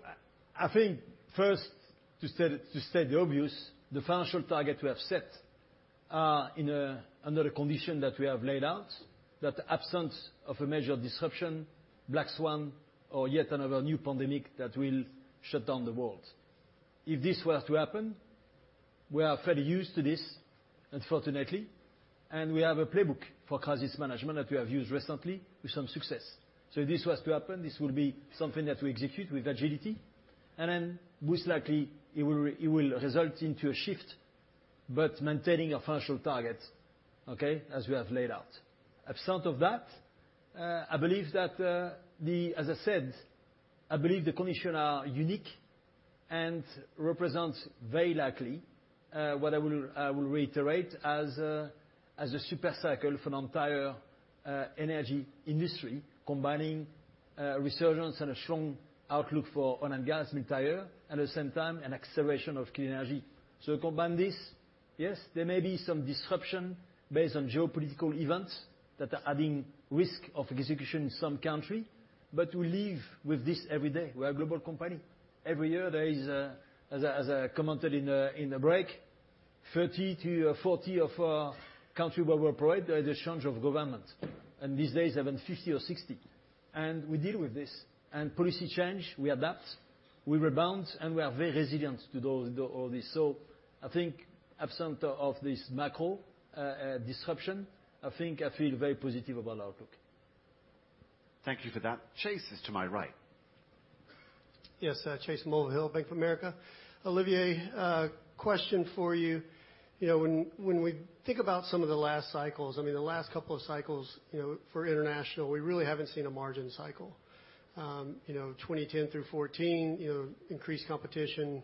I think first, to state the obvious, the financial target we have set are under a condition that we have laid out, that absence of a major disruption, black swan, or yet another new pandemic that will shut down the world. If this was to happen, we are fairly used to this, unfortunately, and we have a playbook for crisis management that we have used recently with some success. If this was to happen, this will be something that we execute with agility, and then most likely, it will result in a shift, but maintaining our financial target, okay, as we have laid out. Absent of that, I believe that the. As I said, I believe the conditions are unique and represents very likely what I will reiterate as a super cycle for the entire energy industry, combining resurgence and a strong outlook for oil and gas entire, at the same time, an acceleration of clean energy. Combine this, yes, there may be some disruption based on geopolitical events that are adding risk of execution in some country, but we live with this every day. We are a global company. Every year, there is a, as I commented in the break, 30-40 of countries where we operate, there is a change of government, and these days even 50 or 60. We deal with this. Policy change, we adapt, we rebound, and we are very resilient to those, all this. I think absent of this macro disruption, I think I feel very positive about outlook. Thank you for that. Chase is to my right. Yes. Chase Mulvehill, Bank of America. Olivier, question for you. You know, when we think about some of the last cycles, I mean, the last couple of cycles, you know, for international, we really haven't seen a margin cycle. You know, 2010 through 2014, you know, increased competition,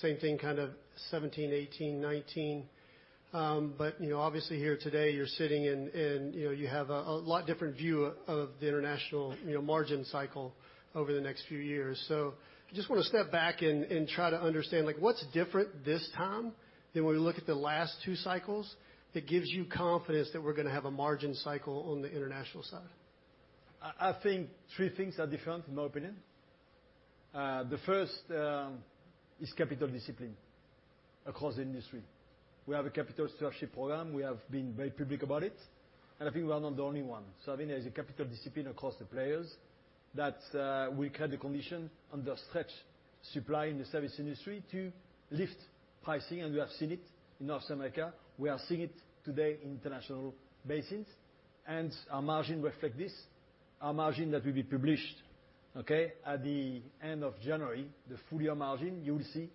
same thing kind of 2017, 2018, 2019. You know, obviously here today you're sitting and you know, you have a lot different view of the international, you know, margin cycle over the next few years. I just wanna step back and try to understand, like, what's different this time than when we look at the last two cycles that gives you confidence that we're gonna have a margin cycle on the international side? I think three things are different in my opinion. The first is capital discipline across the industry. We have a capital stewardship program. We have been very public about it, and I think we are not the only one. I think there is a capital discipline across the players that will create the condition under stretched supply in the service industry to lift pricing, and we have seen it in North America. We are seeing it today in international basins, and our margins reflect this. Our margins that will be published, okay, at the end of January, the full year margins, you will see,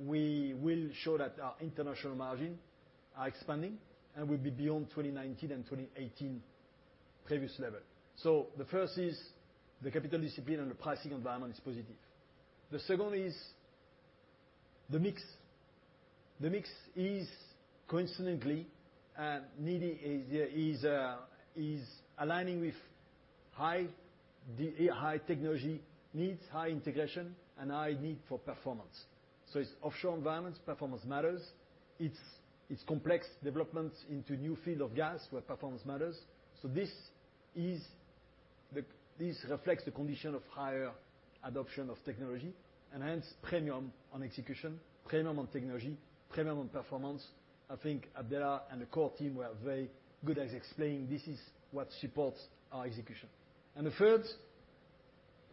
we will show that our international margins are expanding and will be beyond 2019 and 2018 previous levels. The first is the capital discipline and the pricing environment is positive. The second is the mix. The mix is coincidentally aligning with high technology needs, high integration, and high need for performance. It's offshore environments, performance matters. It's complex developments into new field of gas where performance matters. This reflects the condition of higher adoption of technology and hence premium on execution, premium on technology, premium on performance. I think Abdellah and the core team were very good at explaining this is what supports our execution. The third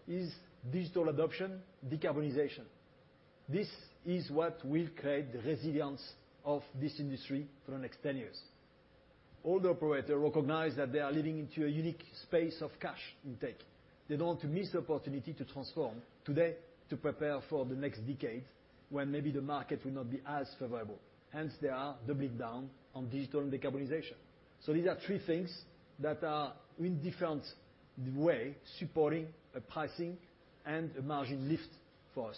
is digital adoption, decarbonization. This is what will create the resilience of this industry for the next 10 years. All the operators recognize that they are leading into a unique space of cash intake. They don't want to miss the opportunity to transform today to prepare for the next decade, when maybe the market will not be as favorable, hence they are doubling down on digital and decarbonization. These are three things that are, in different way, supporting a pricing and a margin lift for us.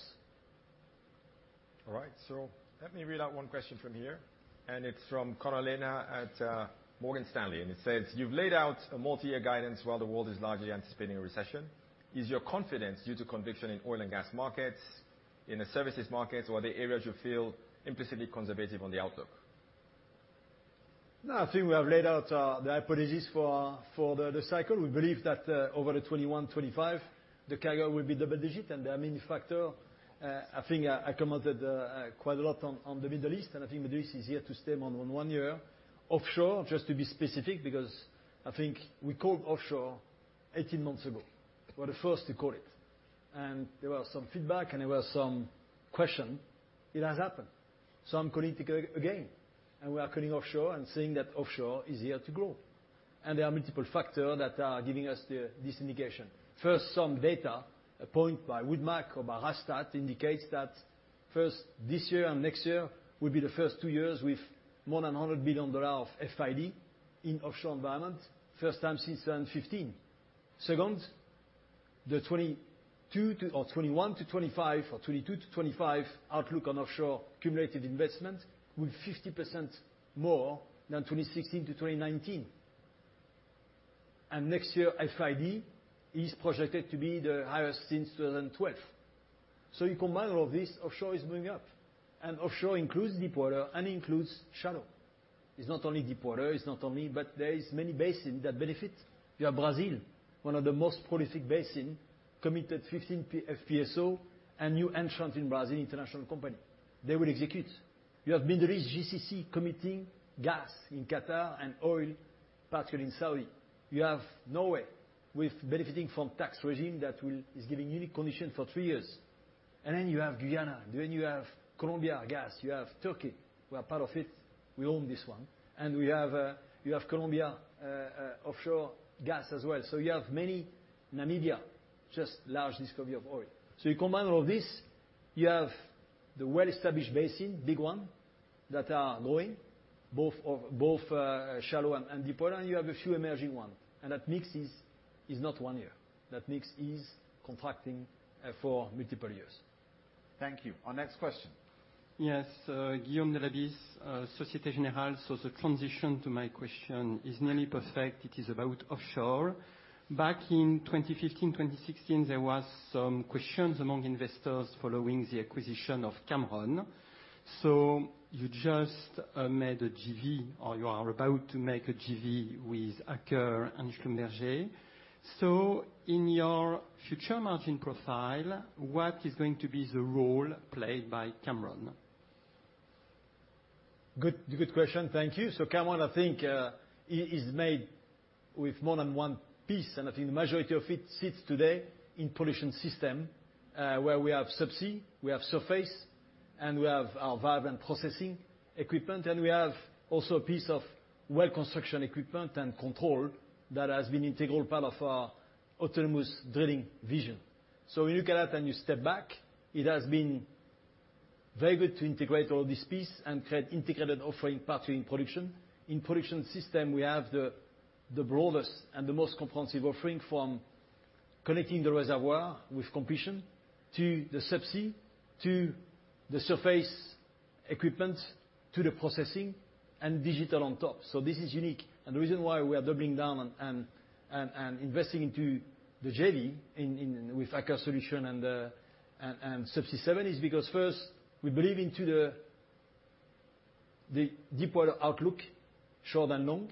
All right, let me read out one question from here, and it's from Connor Lynagh at Morgan Stanley. It says, "You've laid out a multi-year guidance while the world is largely anticipating a recession. Is your confidence due to conviction in oil and gas markets, in the services markets, or the areas you feel implicitly conservative on the outlook? No, I think we have laid out the hypothesis for the cycle. We believe that over the 2021-2025, the CapEx will be double-digit and there are many factors. I think I commented quite a lot on the Middle East, and I think the Middle East is here to stay more than one year. Offshore, just to be specific, because I think we called offshore 18 months ago. We're the first to call it, and there were some feedback and there were some questions. It has happened, so I'm calling it again. We are calling offshore and saying that offshore is here to grow. There are multiple factors that are giving us this indication. First, some data, a point by Wood Mackenzie about a stat indicates that first, this year and next year will be the first two years with more than $100 billion of FID in offshore environment, first time since 2015. Second, the 2022 to, or 2021 to 2025 or 2022 to 2025 outlook on offshore cumulative investments with 50% more than 2016 to 2019. Next year, FID is projected to be the highest since 2012. You combine all this, offshore is moving up. Offshore includes deepwater and includes shallow. It's not only deepwater, but there is many basins that benefit. You have Brazil, one of the most prolific basin, committed 15 FPSOs and new entrants in Brazil, international company. They will execute. You have Middle East GCC committing gas in Qatar and oil, particularly in Saudi. You have Norway benefiting from tax regime that is giving unique condition for three years. Then you have Guyana. Then you have Colombia gas. You have Turkey, we are part of it. We own this one. You have Colombia offshore gas as well. You have many Namibia, just large discovery of oil. You combine all this, you have the well-established basin, big one, that are growing both shallow and deepwater, and you have a few emerging one. That mix is not one year. That mix is contracting for multiple years. Thank you. Our next question. Yes. Guillaume Delaby, Société Générale. The transition to my question is nearly perfect. It is about offshore. Back in 2015, 2016, there was some questions among investors following the acquisition of Cameron. You just made a JV or you are about to make a JV with Aker Solutions and Schlumberger. In your future margin profile, what is going to be the role played by Cameron? Good, good question. Thank you. Cameron, I think, is made with more than one piece, and I think the majority of it sits today in Production Systems, where we have subsea, we have surface, and we have our valve and processing equipment, and we have also a piece of well construction equipment and control that has been integral part of our autonomous drilling vision. When you look at that and you step back, it has been very good to integrate all this piece and create integrated offering, particularly in production. In Production Systems, we have the broadest and the most comprehensive offering from connecting the reservoir with completion to the subsea, to the surface equipment, to the processing and digital on top. This is unique. The reason why we are doubling down and investing in the JV with Aker Solutions and Subsea 7 is because first, we believe in the deepwater outlook, short and long.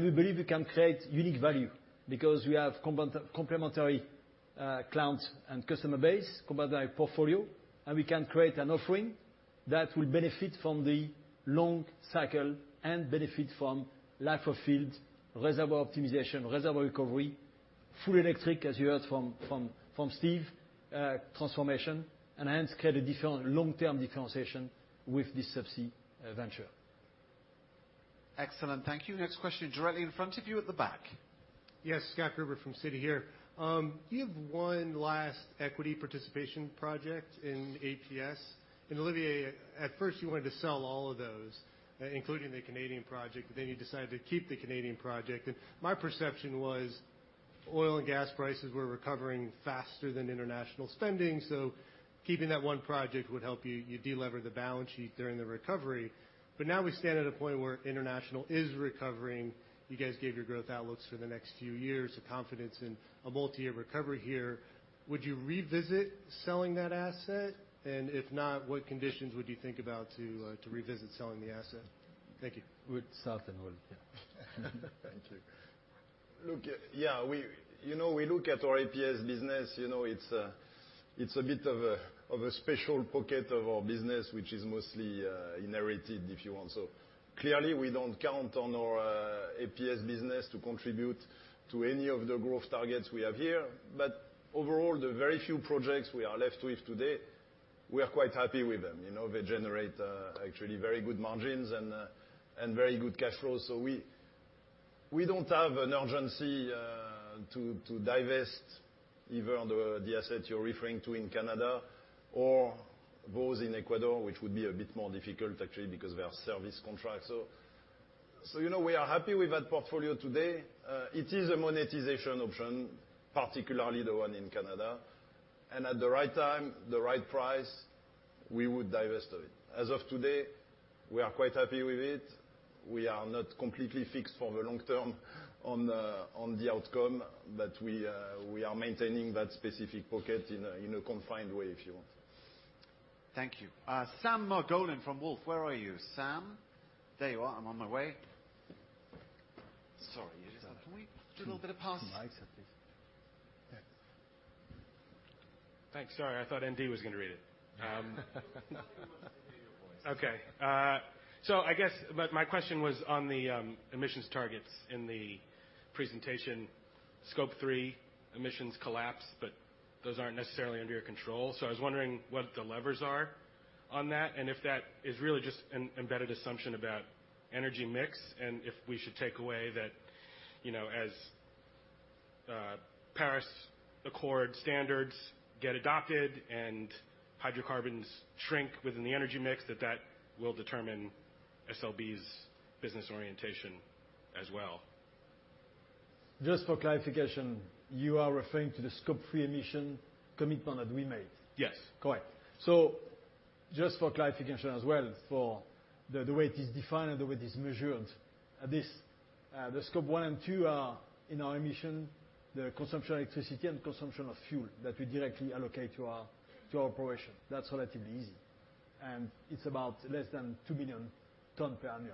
We believe we can create unique value because we have complementary clients and customer base, complementary portfolio, and we can create an offering that will benefit from the long cycle and benefit from life of field, reservoir optimization, reservoir recovery, full electric, as you heard from Steve, transformation, and hence create a different long-term differentiation with this Subsea venture. Excellent. Thank you. Next question directly in front of you at the back. Yes, Scott Gruber from Citi here. You have one last equity participation project in APS. Olivier, at first, you wanted to sell all of those, including the Canadian project, but then you decided to keep the Canadian project. My perception was oil and gas prices were recovering faster than international spending. Keeping that one project would help you de-lever the balance sheet during the recovery. Now we stand at a point where international is recovering. You guys gave your growth outlooks for the next few years, the confidence in a multi-year recovery here. Would you revisit selling that asset? If not, what conditions would you think about to revisit selling the asset? Thank you. We'll start. Thank you. Look, yeah, we, you know, we look at our APS business, you know, it's a bit of a special pocket of our business, which is mostly inherited, if you want. Clearly, we don't count on our APS business to contribute to any of the growth targets we have here. Overall, the very few projects we are left with today, we are quite happy with them. You know, they generate actually very good margins and very good cash flows. We don't have an urgency to divest even on the asset you're referring to in Canada or both in Ecuador, which would be a bit more difficult actually because of our service contract. You know, we are happy with that portfolio today. It is a monetization option, particularly the one in Canada. At the right time, the right price, we would divest it. As of today, we are quite happy with it. We are not completely fixed for the long term on the outcome, but we are maintaining that specific pocket in a confined way, if you want. Thank you. Sam Margolin from Wolfe. Where are you, Sam? There you are. I'm on my way. Sorry. You just have to. Can we do a little bit of pass? Some mics at least. Thanks. Sorry. I thought ND was gonna read it. We want to hear your voice. Okay. I guess my question was on the emissions targets in the presentation. Scope three emissions collapse, but those aren't necessarily under your control. I was wondering what the levers are on that, and if that is really just an embedded assumption about energy mix, and if we should take away that, you know, as Paris Agreement standards get adopted and hydrocarbons shrink within the energy mix, that will determine SLB's business orientation as well. Just for clarification, you are referring to the Scope three emission commitment that we made? Yes. Correct. Just for clarification as well for the way it is defined and the way it is measured, this, the Scope one and two are in our emissions, the consumption of electricity and consumption of fuel that we directly allocate to our operation. That's relatively easy, and it's about less than 2 million tons per annum.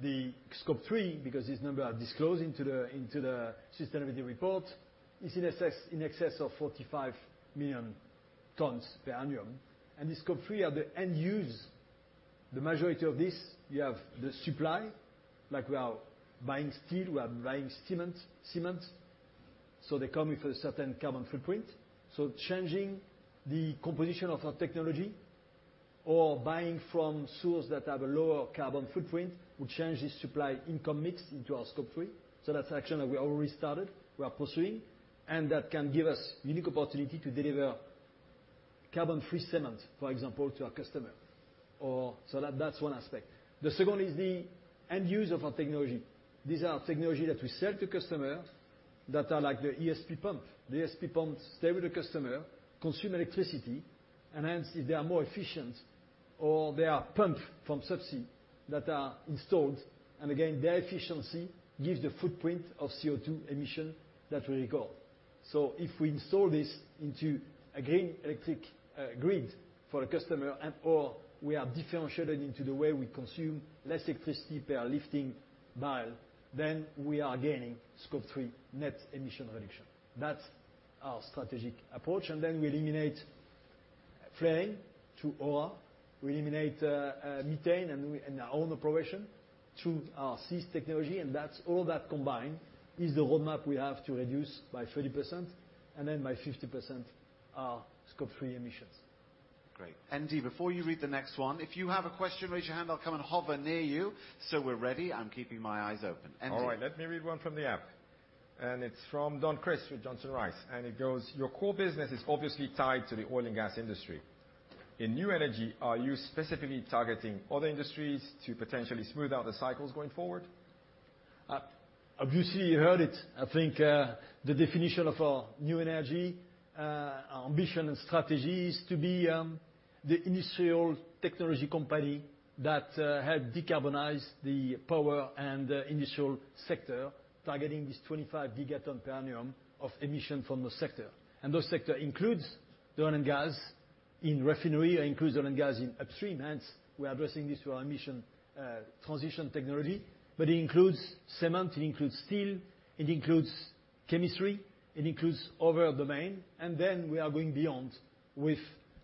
The Scope three, because these numbers are disclosed into the sustainability report, is in excess of 45 million tons per annum. The Scope three are the end use. The majority of this, you have the supply, like we are buying steel, we are buying cement, so they come with a certain carbon footprint. Changing the composition of our technology or buying from sources that have a lower carbon footprint, will change the supply income mix into our Scope three. That's action that we already started, we are pursuing, and that can give us unique opportunity to deliver carbon free cement, for example, to our customer. That's one aspect. The second is the end user of our technology. These are technology that we sell to customer that are like the ESP pump. The ESP pump stay with the customer, consume electricity, and hence if they are more efficient or they are pump from subsea that are installed, and again, their efficiency gives the footprint of CO2 emission that we record. If we install this into a green electricity grid for a customer and/or we are differentiating in the way we consume less electricity per lifting mile, then we are gaining Scope three net emission reduction. That's our strategic approach. We eliminate flaring to Ora, we eliminate methane in our own operation through our SEES technology. That's all that combined is the roadmap we have to reduce by 30% and then by 50% our Scope three emissions. Great. ND, before you read the next one, if you have a question, raise your hand. I'll come and hover near you. We're ready. I'm keeping my eyes open. ND. All right. Let me read one from the app, and it's from Don Crist with Johnson Rice. It goes, "Your core business is obviously tied to the oil and gas industry. In new energy, are you specifically targeting other industries to potentially smooth out the cycles going forward? Obviously, you heard it. I think the definition of new energy, our ambition and strategy is to be the industrial technology company that help decarbonize the power and the industrial sector, targeting this 25 gigaton per annum of emission from the sector. Those sector includes the oil and gas in refinery, it includes oil and gas in upstream, hence we are addressing this through our emission transition technology. It includes cement, it includes steel, it includes chemistry, it includes other domain. Then we are going beyond with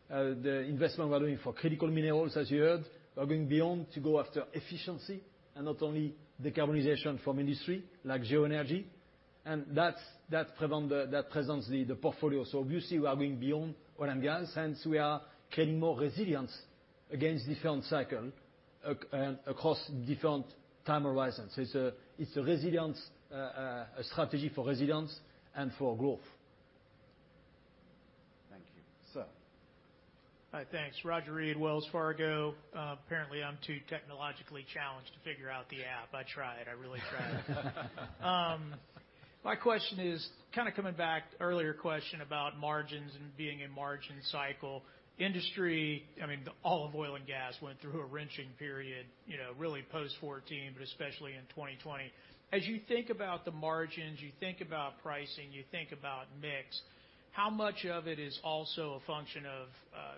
the investment we are doing for critical minerals, as you heard. We are going beyond to go after efficiency and not only decarbonization from industry, like geoenergy. That presents the portfolio. Obviously, we are going beyond oil and gas. Hence, we are creating more resilience against different cycles across different time horizons. It's a resilience strategy for resilience and for growth. Thank you. Sir. Hi. Thanks. Roger Read, Wells Fargo. Apparently I'm too technologically challenged to figure out the app. I tried. I really tried. My question is kinda coming back to earlier question about margins and being in margin cycle. Industry, I mean, all of oil and gas went through a wrenching period, you know, really post 2014, but especially in 2020. As you think about the margins, you think about pricing, you think about mix, how much of it is also a function of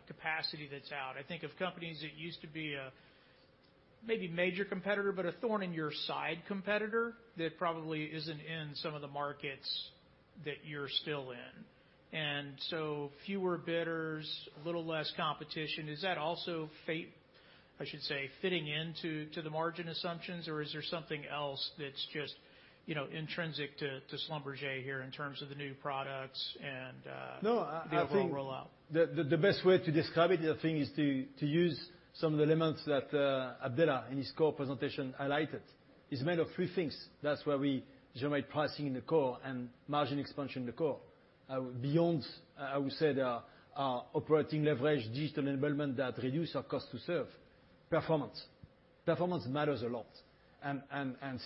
capacity that's out? I think of companies that used to be a maybe major competitor, but a thorn in your side competitor that probably isn't in some of the markets that you're still in. So fewer bidders, a little less competition. Is that also fitting into the margin assumptions, or is there something else that's just, you know, intrinsic to Schlumberger here in terms of the new products and the overall rollout? No, I think the best way to describe it, I think is to use some of the elements that Abdellah in his core presentation highlighted. It's made of three things. That's where we generate pricing in the core and margin expansion in the core. Beyond, I would say the operating leverage, digital enablement that reduce our cost to serve. Performance matters a lot.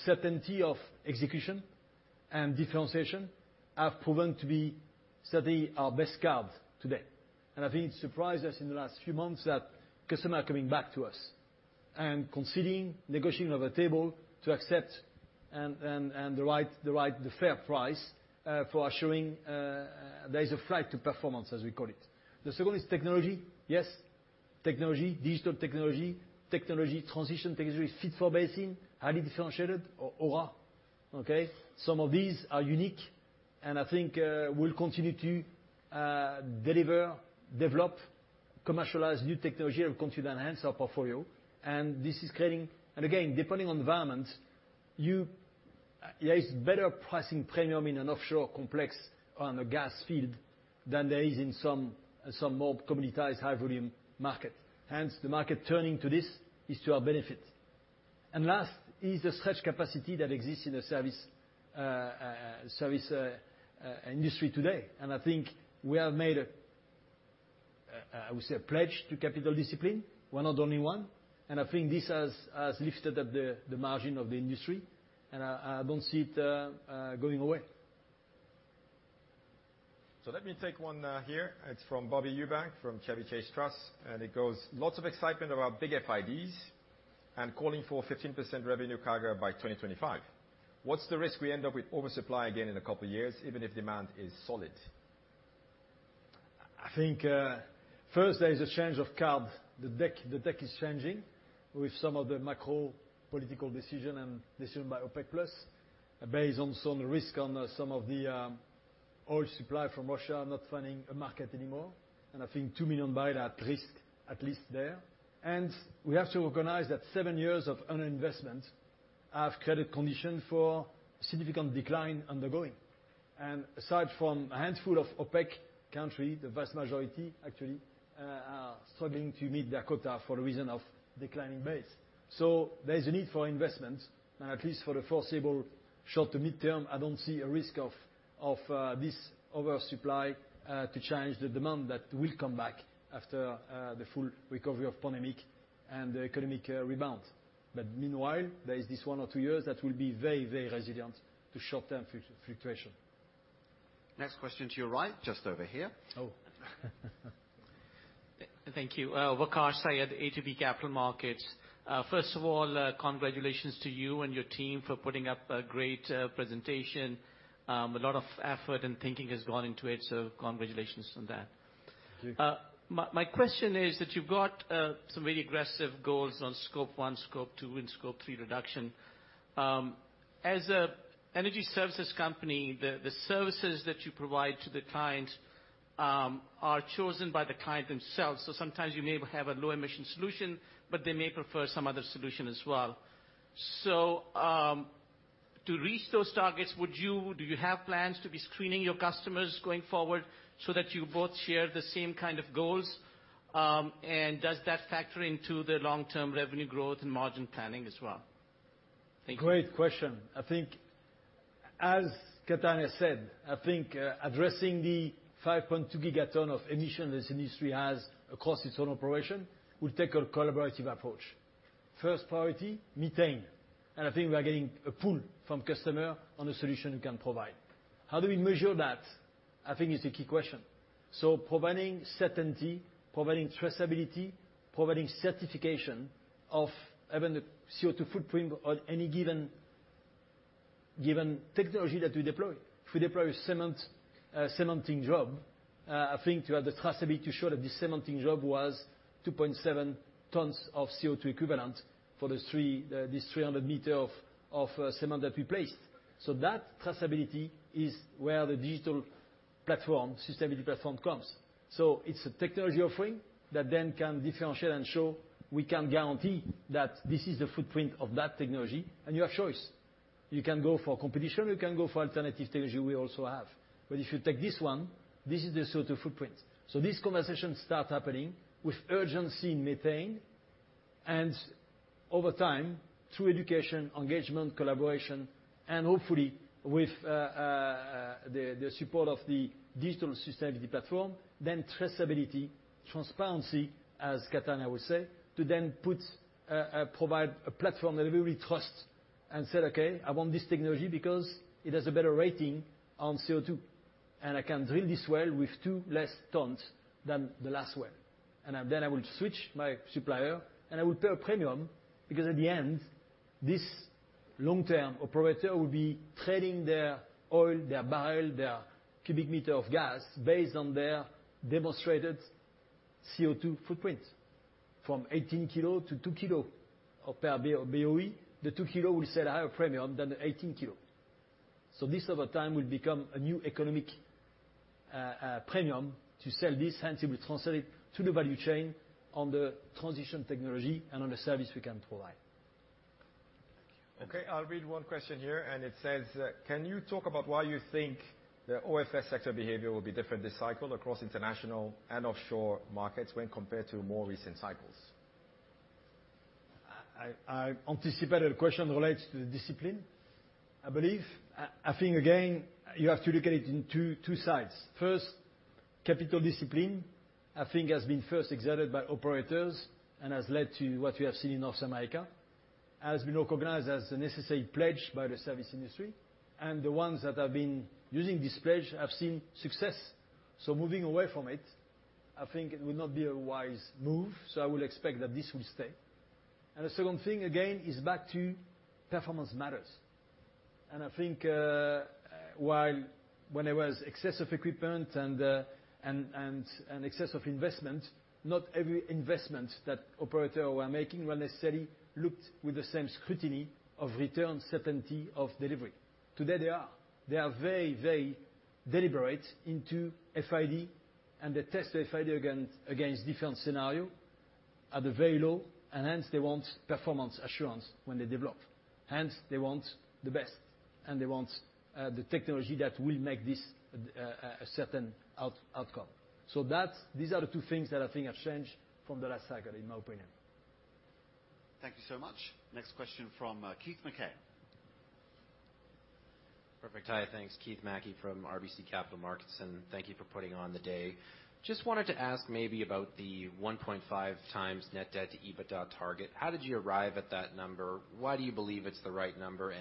Certainty of execution and differentiation have proven to be certainly our best cards today. I think it surprised us in the last few months that customer are coming back to us and considering negotiating on the table to accept the right, the fair price for assuring there is a flight to performance, as we call it. The second is technology. Yes, technology, digital technology transition, technology fit for basin, highly differentiated or Ora. Okay? Some of these are unique, and I think we'll continue to deliver, develop, commercialize new technology and continue to enhance our portfolio. This is creating. Again, depending on environments, there is better pricing premium in an offshore complex on a gas field than there is in some more commoditized high volume market. Hence, the market turning to this is to our benefit. Last is the excess capacity that exists in the service industry today. I think we have made, I would say, a pledge to capital discipline. We're not the only one, and I think this has lifted up the margin of the industry, and I don't see it going away. Let me take one here. It's from Bobby Eubank from Chevy Chase Trust, and it goes: Lots of excitement about big FIDs and calling for 15% revenue CAGR by 2025. What's the risk we end up with oversupply again in a couple years, even if demand is solid? I think first there is a change of guard. The deck is changing with some of the macro political decisions by OPEC+ based on some risk on some of the oil supply from Russia not finding a market anymore. I think 2 million bbl at risk, at least there. We have to recognize that seven years of underinvestment have created conditions for significant declines under way. Aside from a handful of OPEC countries, the vast majority actually are struggling to meet their quotas for reasons of declining base. There's a need for investment. At least for the foreseeable short- to midterm, I don't see a risk of this oversupply to change the demand that will come back after the full recovery from the pandemic and the economic rebound. Meanwhile, there is this one or two years that will be very, very resilient to short-term fluctuation. Next question to your right, just over here. Oh. Thank you. Waqar Syed, ATB Capital Markets. First of all, congratulations to you and your team for putting up a great presentation. A lot of effort and thinking has gone into it, so congratulations on that. Thank you. My question is that you've got some very aggressive goals on Scope one, Scope two, and Scope three reduction. As an energy services company, the services that you provide to the client are chosen by the client themselves. Sometimes you may have a low emission solution, but they may prefer some other solution as well. To reach those targets, do you have plans to be screening your customers going forward so that you both share the same kind of goals? Does that factor into the long-term revenue growth and margin planning as well? Thank you. Great question. I think, as Katharina said, I think, addressing the 5.2 gigaton of emission this industry has across its own operation will take a collaborative approach. First priority, methane. I think we are getting a pull from customer on the solution we can provide. How do we measure that, I think is the key question. Providing certainty, providing traceability, providing certification of even the CO2 footprint on any given technology that we deploy. If we deploy cement, cementing job, I think to have the traceability to show that this cementing job was 2.7 tons of CO2 equivalent for this 300 meter of cement that we placed. That traceability is where the digital platform, sustainability platform comes. It's a technology offering that then can differentiate and show we can guarantee that this is the footprint of that technology, and you have choice. You can go for competition. You can go for alternative technology we also have. But if you take this one, this is the CO2 footprint. This conversation start happening with urgency in methane, and over time, through education, engagement, collaboration, and hopefully with the support of the digital sustainability platform, then traceability, transparency, as Katharina would say, to then provide a platform that we will trust and say, "Okay, I want this technology because it has a better rating on CO2, and I can drill this well with two less tons than the last well. I will switch my supplier, and I will pay a premium, because at the end, this long-term operator will be trading their oil, their barrel, their cubic meter of gas based on their demonstrated CO2 footprint from 18 kilo to 2 kilo per BOE. The 2 kilo will sell at higher premium than the 18 kilo. This, over time, will become a new economic premium to sell this, and it will translate to the value chain on the transition technology and on the service we can provide. Okay. I'll read one question here, and it says: Can you talk about why you think the OFS sector behavior will be different this cycle across international and offshore markets when compared to more recent cycles? I anticipate that question relates to the discipline, I believe. I think, again, you have to look at it in two sides. First, capital discipline, I think has been first exerted by operators and has led to what we have seen in North America, has been recognized as a necessary pledge by the service industry. The ones that have been using this pledge have seen success. Moving away from it, I think it would not be a wise move. I would expect that this will stay. The second thing, again, is back to performance matters. I think, while when there was excessive equipment and the excessive investment, not every investment that operator were making were necessarily looked with the same scrutiny of return certainty of delivery. Today, they are. They are very, very deliberate into FID, and they test the FID against different scenario at the very low. Hence they want performance assurance when they develop. Hence, they want the best, and they want the technology that will make this a certain outcome. That's. These are the two things that I think have changed from the last cycle, in my opinion. Thank you so much. Next question from Keith Mackey. Perfect. Hi. Thanks. Keith Mackey from RBC Capital Markets, and thank you for putting on the day. Just wanted to ask maybe about the 1.5x net debt to EBITDA target. How did you arrive at that number? Why do you believe it's the right number?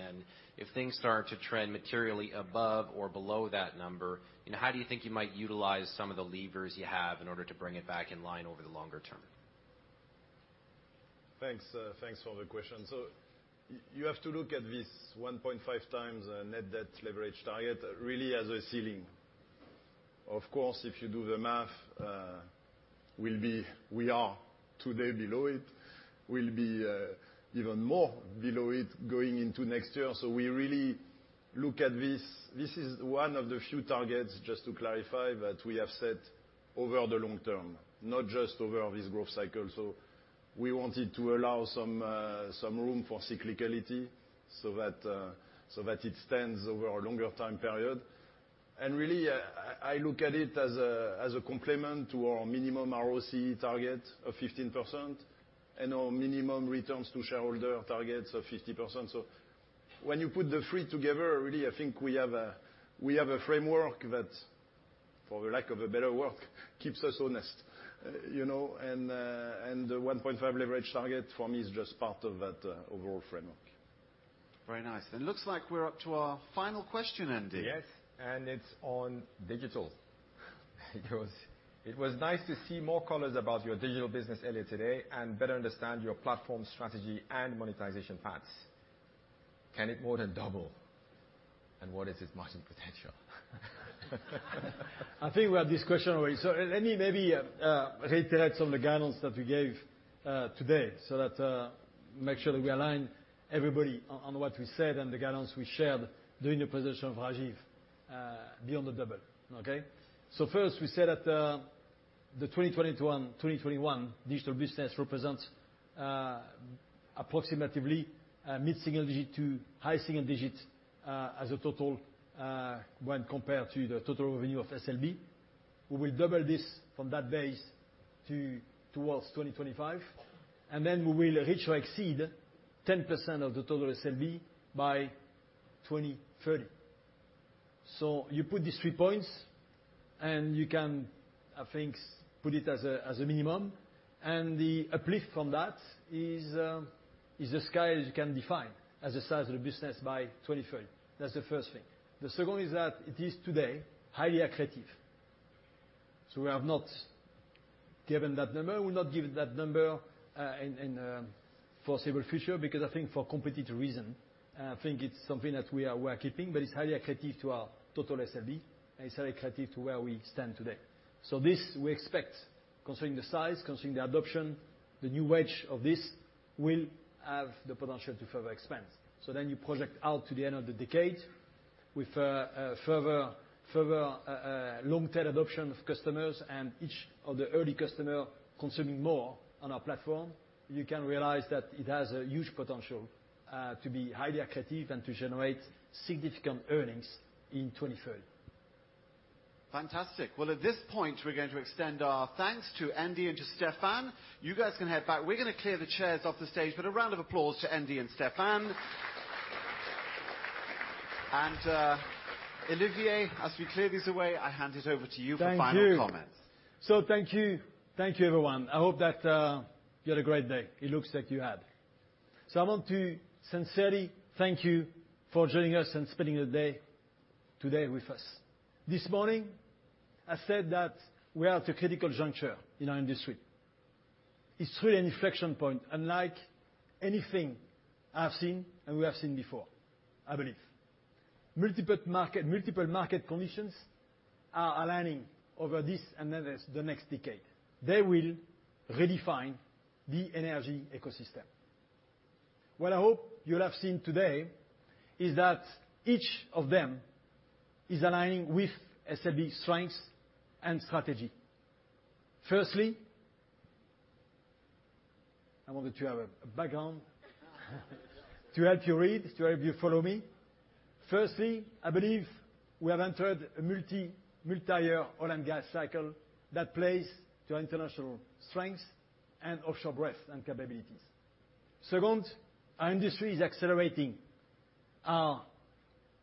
If things start to trend materially above or below that number, you know, how do you think you might utilize some of the levers you have in order to bring it back in line over the longer term? Thanks, thanks for the question. You have to look at this 1.5x net debt leverage target really as a ceiling. Of course, if you do the math, we are today below it. We'll be even more below it going into next year. We really look at this. This is one of the few targets, just to clarify, that we have set over the long term, not just over this growth cycle. We wanted to allow some room for cyclicality so that it stands over a longer time period. Really, I look at it as a complement to our minimum ROCE target of 15% and our minimum returns to shareholder targets of 50%. When you put the three together, really, I think we have a framework that, for the lack of a better word, keeps us honest. You know? The 1.5 leverage target for me is just part of that overall framework. Very nice. It looks like we're up to our final question, ND. Yes, it's on digital. It was nice to see more comments about your digital business earlier today and better understand your platform strategy and monetization paths. Can it more than double, and what is its margin potential? I think we had this question already. Let me maybe reiterate some of the guidance that we gave today so that we make sure that we align everybody on what we said and the guidance we shared during the presentation of Rajiv beyond the double. Okay? First we said at the 2020 to 2021 digital business represents approximately mid-single digit to high single digits as a total when compared to the total revenue of SLB. We will double this from that base toward 2025, and then we will reach or exceed 10% of the total SLB by 2030. You put these three points, and you can, I think, put it as a minimum, and the uplift from that is the scale you can define as the size of the business by 2030. That's the first thing. The second is that it is today highly accretive. We have not given that number. We'll not give that number in foreseeable future because I think for competitive reason, I think it's something that we are worth keeping. But it's highly accretive to our total SLB and it's highly accretive to where we stand today. This we expect, considering the size, considering the adoption, the new weight of this will have the potential to further expand. You project out to the end of the decade with further long-term adoption of customers and each of the early customer consuming more on our platform. You can realize that it has a huge potential to be highly accretive and to generate significant earnings in 2030. Fantastic. Well, at this point we're going to extend our thanks to ND and to Stephane. You guys can head back. We're gonna clear the chairs off the stage, but a round of applause to ND and Stephane. Olivier, as we clear these away, I hand it over to you for final comments. Thank you, everyone. I hope that you had a great day. It looks like you had. I want to sincerely thank you for joining us and spending the day today with us. This morning, I said that we are at a critical juncture in our industry. It's truly an inflection point unlike anything I've seen and we have seen before, I believe. Multiple market conditions are aligning over this and the next decade. They will redefine the energy ecosystem. What I hope you'll have seen today is that each of them is aligning with SLB's strengths and strategy. Firstly, I wanted to have a background to help you follow me. Firstly, I believe we have entered a multi-year oil and gas cycle that plays to international strengths and offshore breadth and capabilities. Second, our industry is accelerating our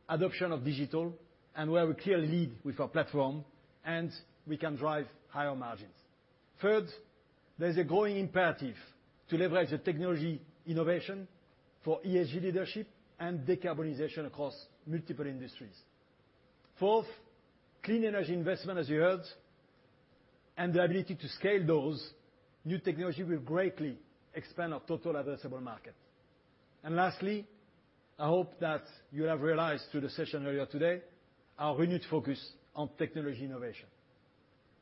adoption of digital and where we clearly lead with our platform, and we can drive higher margins. Third, there is a growing imperative to leverage the technology innovation for ESG leadership and decarbonization across multiple industries. Fourth, clean energy investment, as you heard, and the ability to scale those new technology will greatly expand our total addressable market. Lastly, I hope that you have realized through the session earlier today our renewed focus on technology innovation.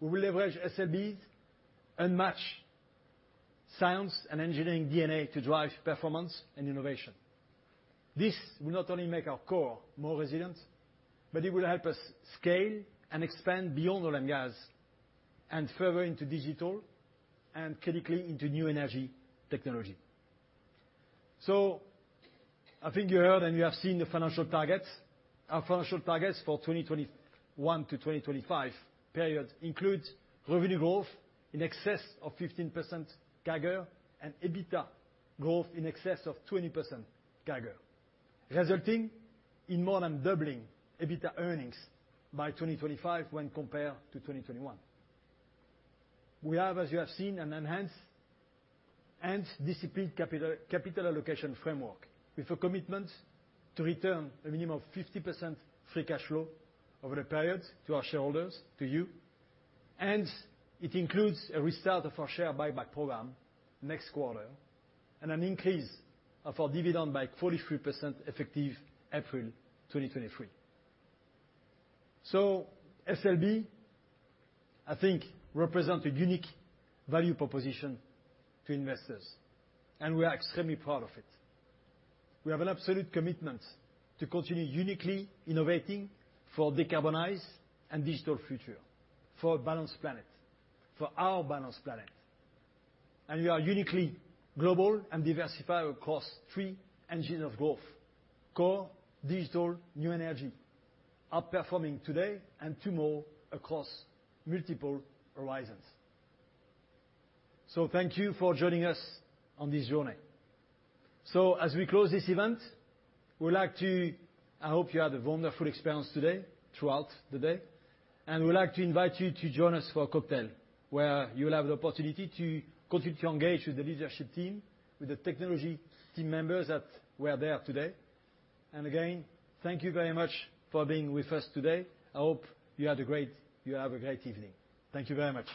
We will leverage SLB's unmatched science and engineering DNA to drive performance and innovation. This will not only make our core more resilient, but it will help us scale and expand beyond oil and gas and further into digital and critically into new energy technology. I think you heard and you have seen the financial targets. Our financial targets for 2021 to 2025 period include revenue growth in excess of 15% CAGR and EBITDA growth in excess of 20% CAGR, resulting in more than doubling EBITDA earnings by 2025 when compared to 2021. We have, as you have seen, an enhanced and disciplined capital allocation framework with a commitment to return a minimum of 50% free cash flow over the period to our shareholders, to you. It includes a restart of our share buyback program next quarter and an increase of our dividend by 43% effective April 2023. SLB, I think, represent a unique value proposition to investors, and we are extremely proud of it. We have an absolute commitment to continue uniquely innovating for decarbonized and digital future, for a balanced planet, for our balanced planet. We are uniquely global and diversified across three engines of growth. Core, digital, new energy are performing today and tomorrow across multiple horizons. Thank you for joining us on this journey. As we close this event, we'd like to. I hope you had a wonderful experience today, throughout the day, and we would like to invite you to join us for a cocktail where you'll have the opportunity to continue to engage with the leadership team, with the technology team members that were there today. Again, thank you very much for being with us today. I hope you had a great, you have a great evening. Thank you very much.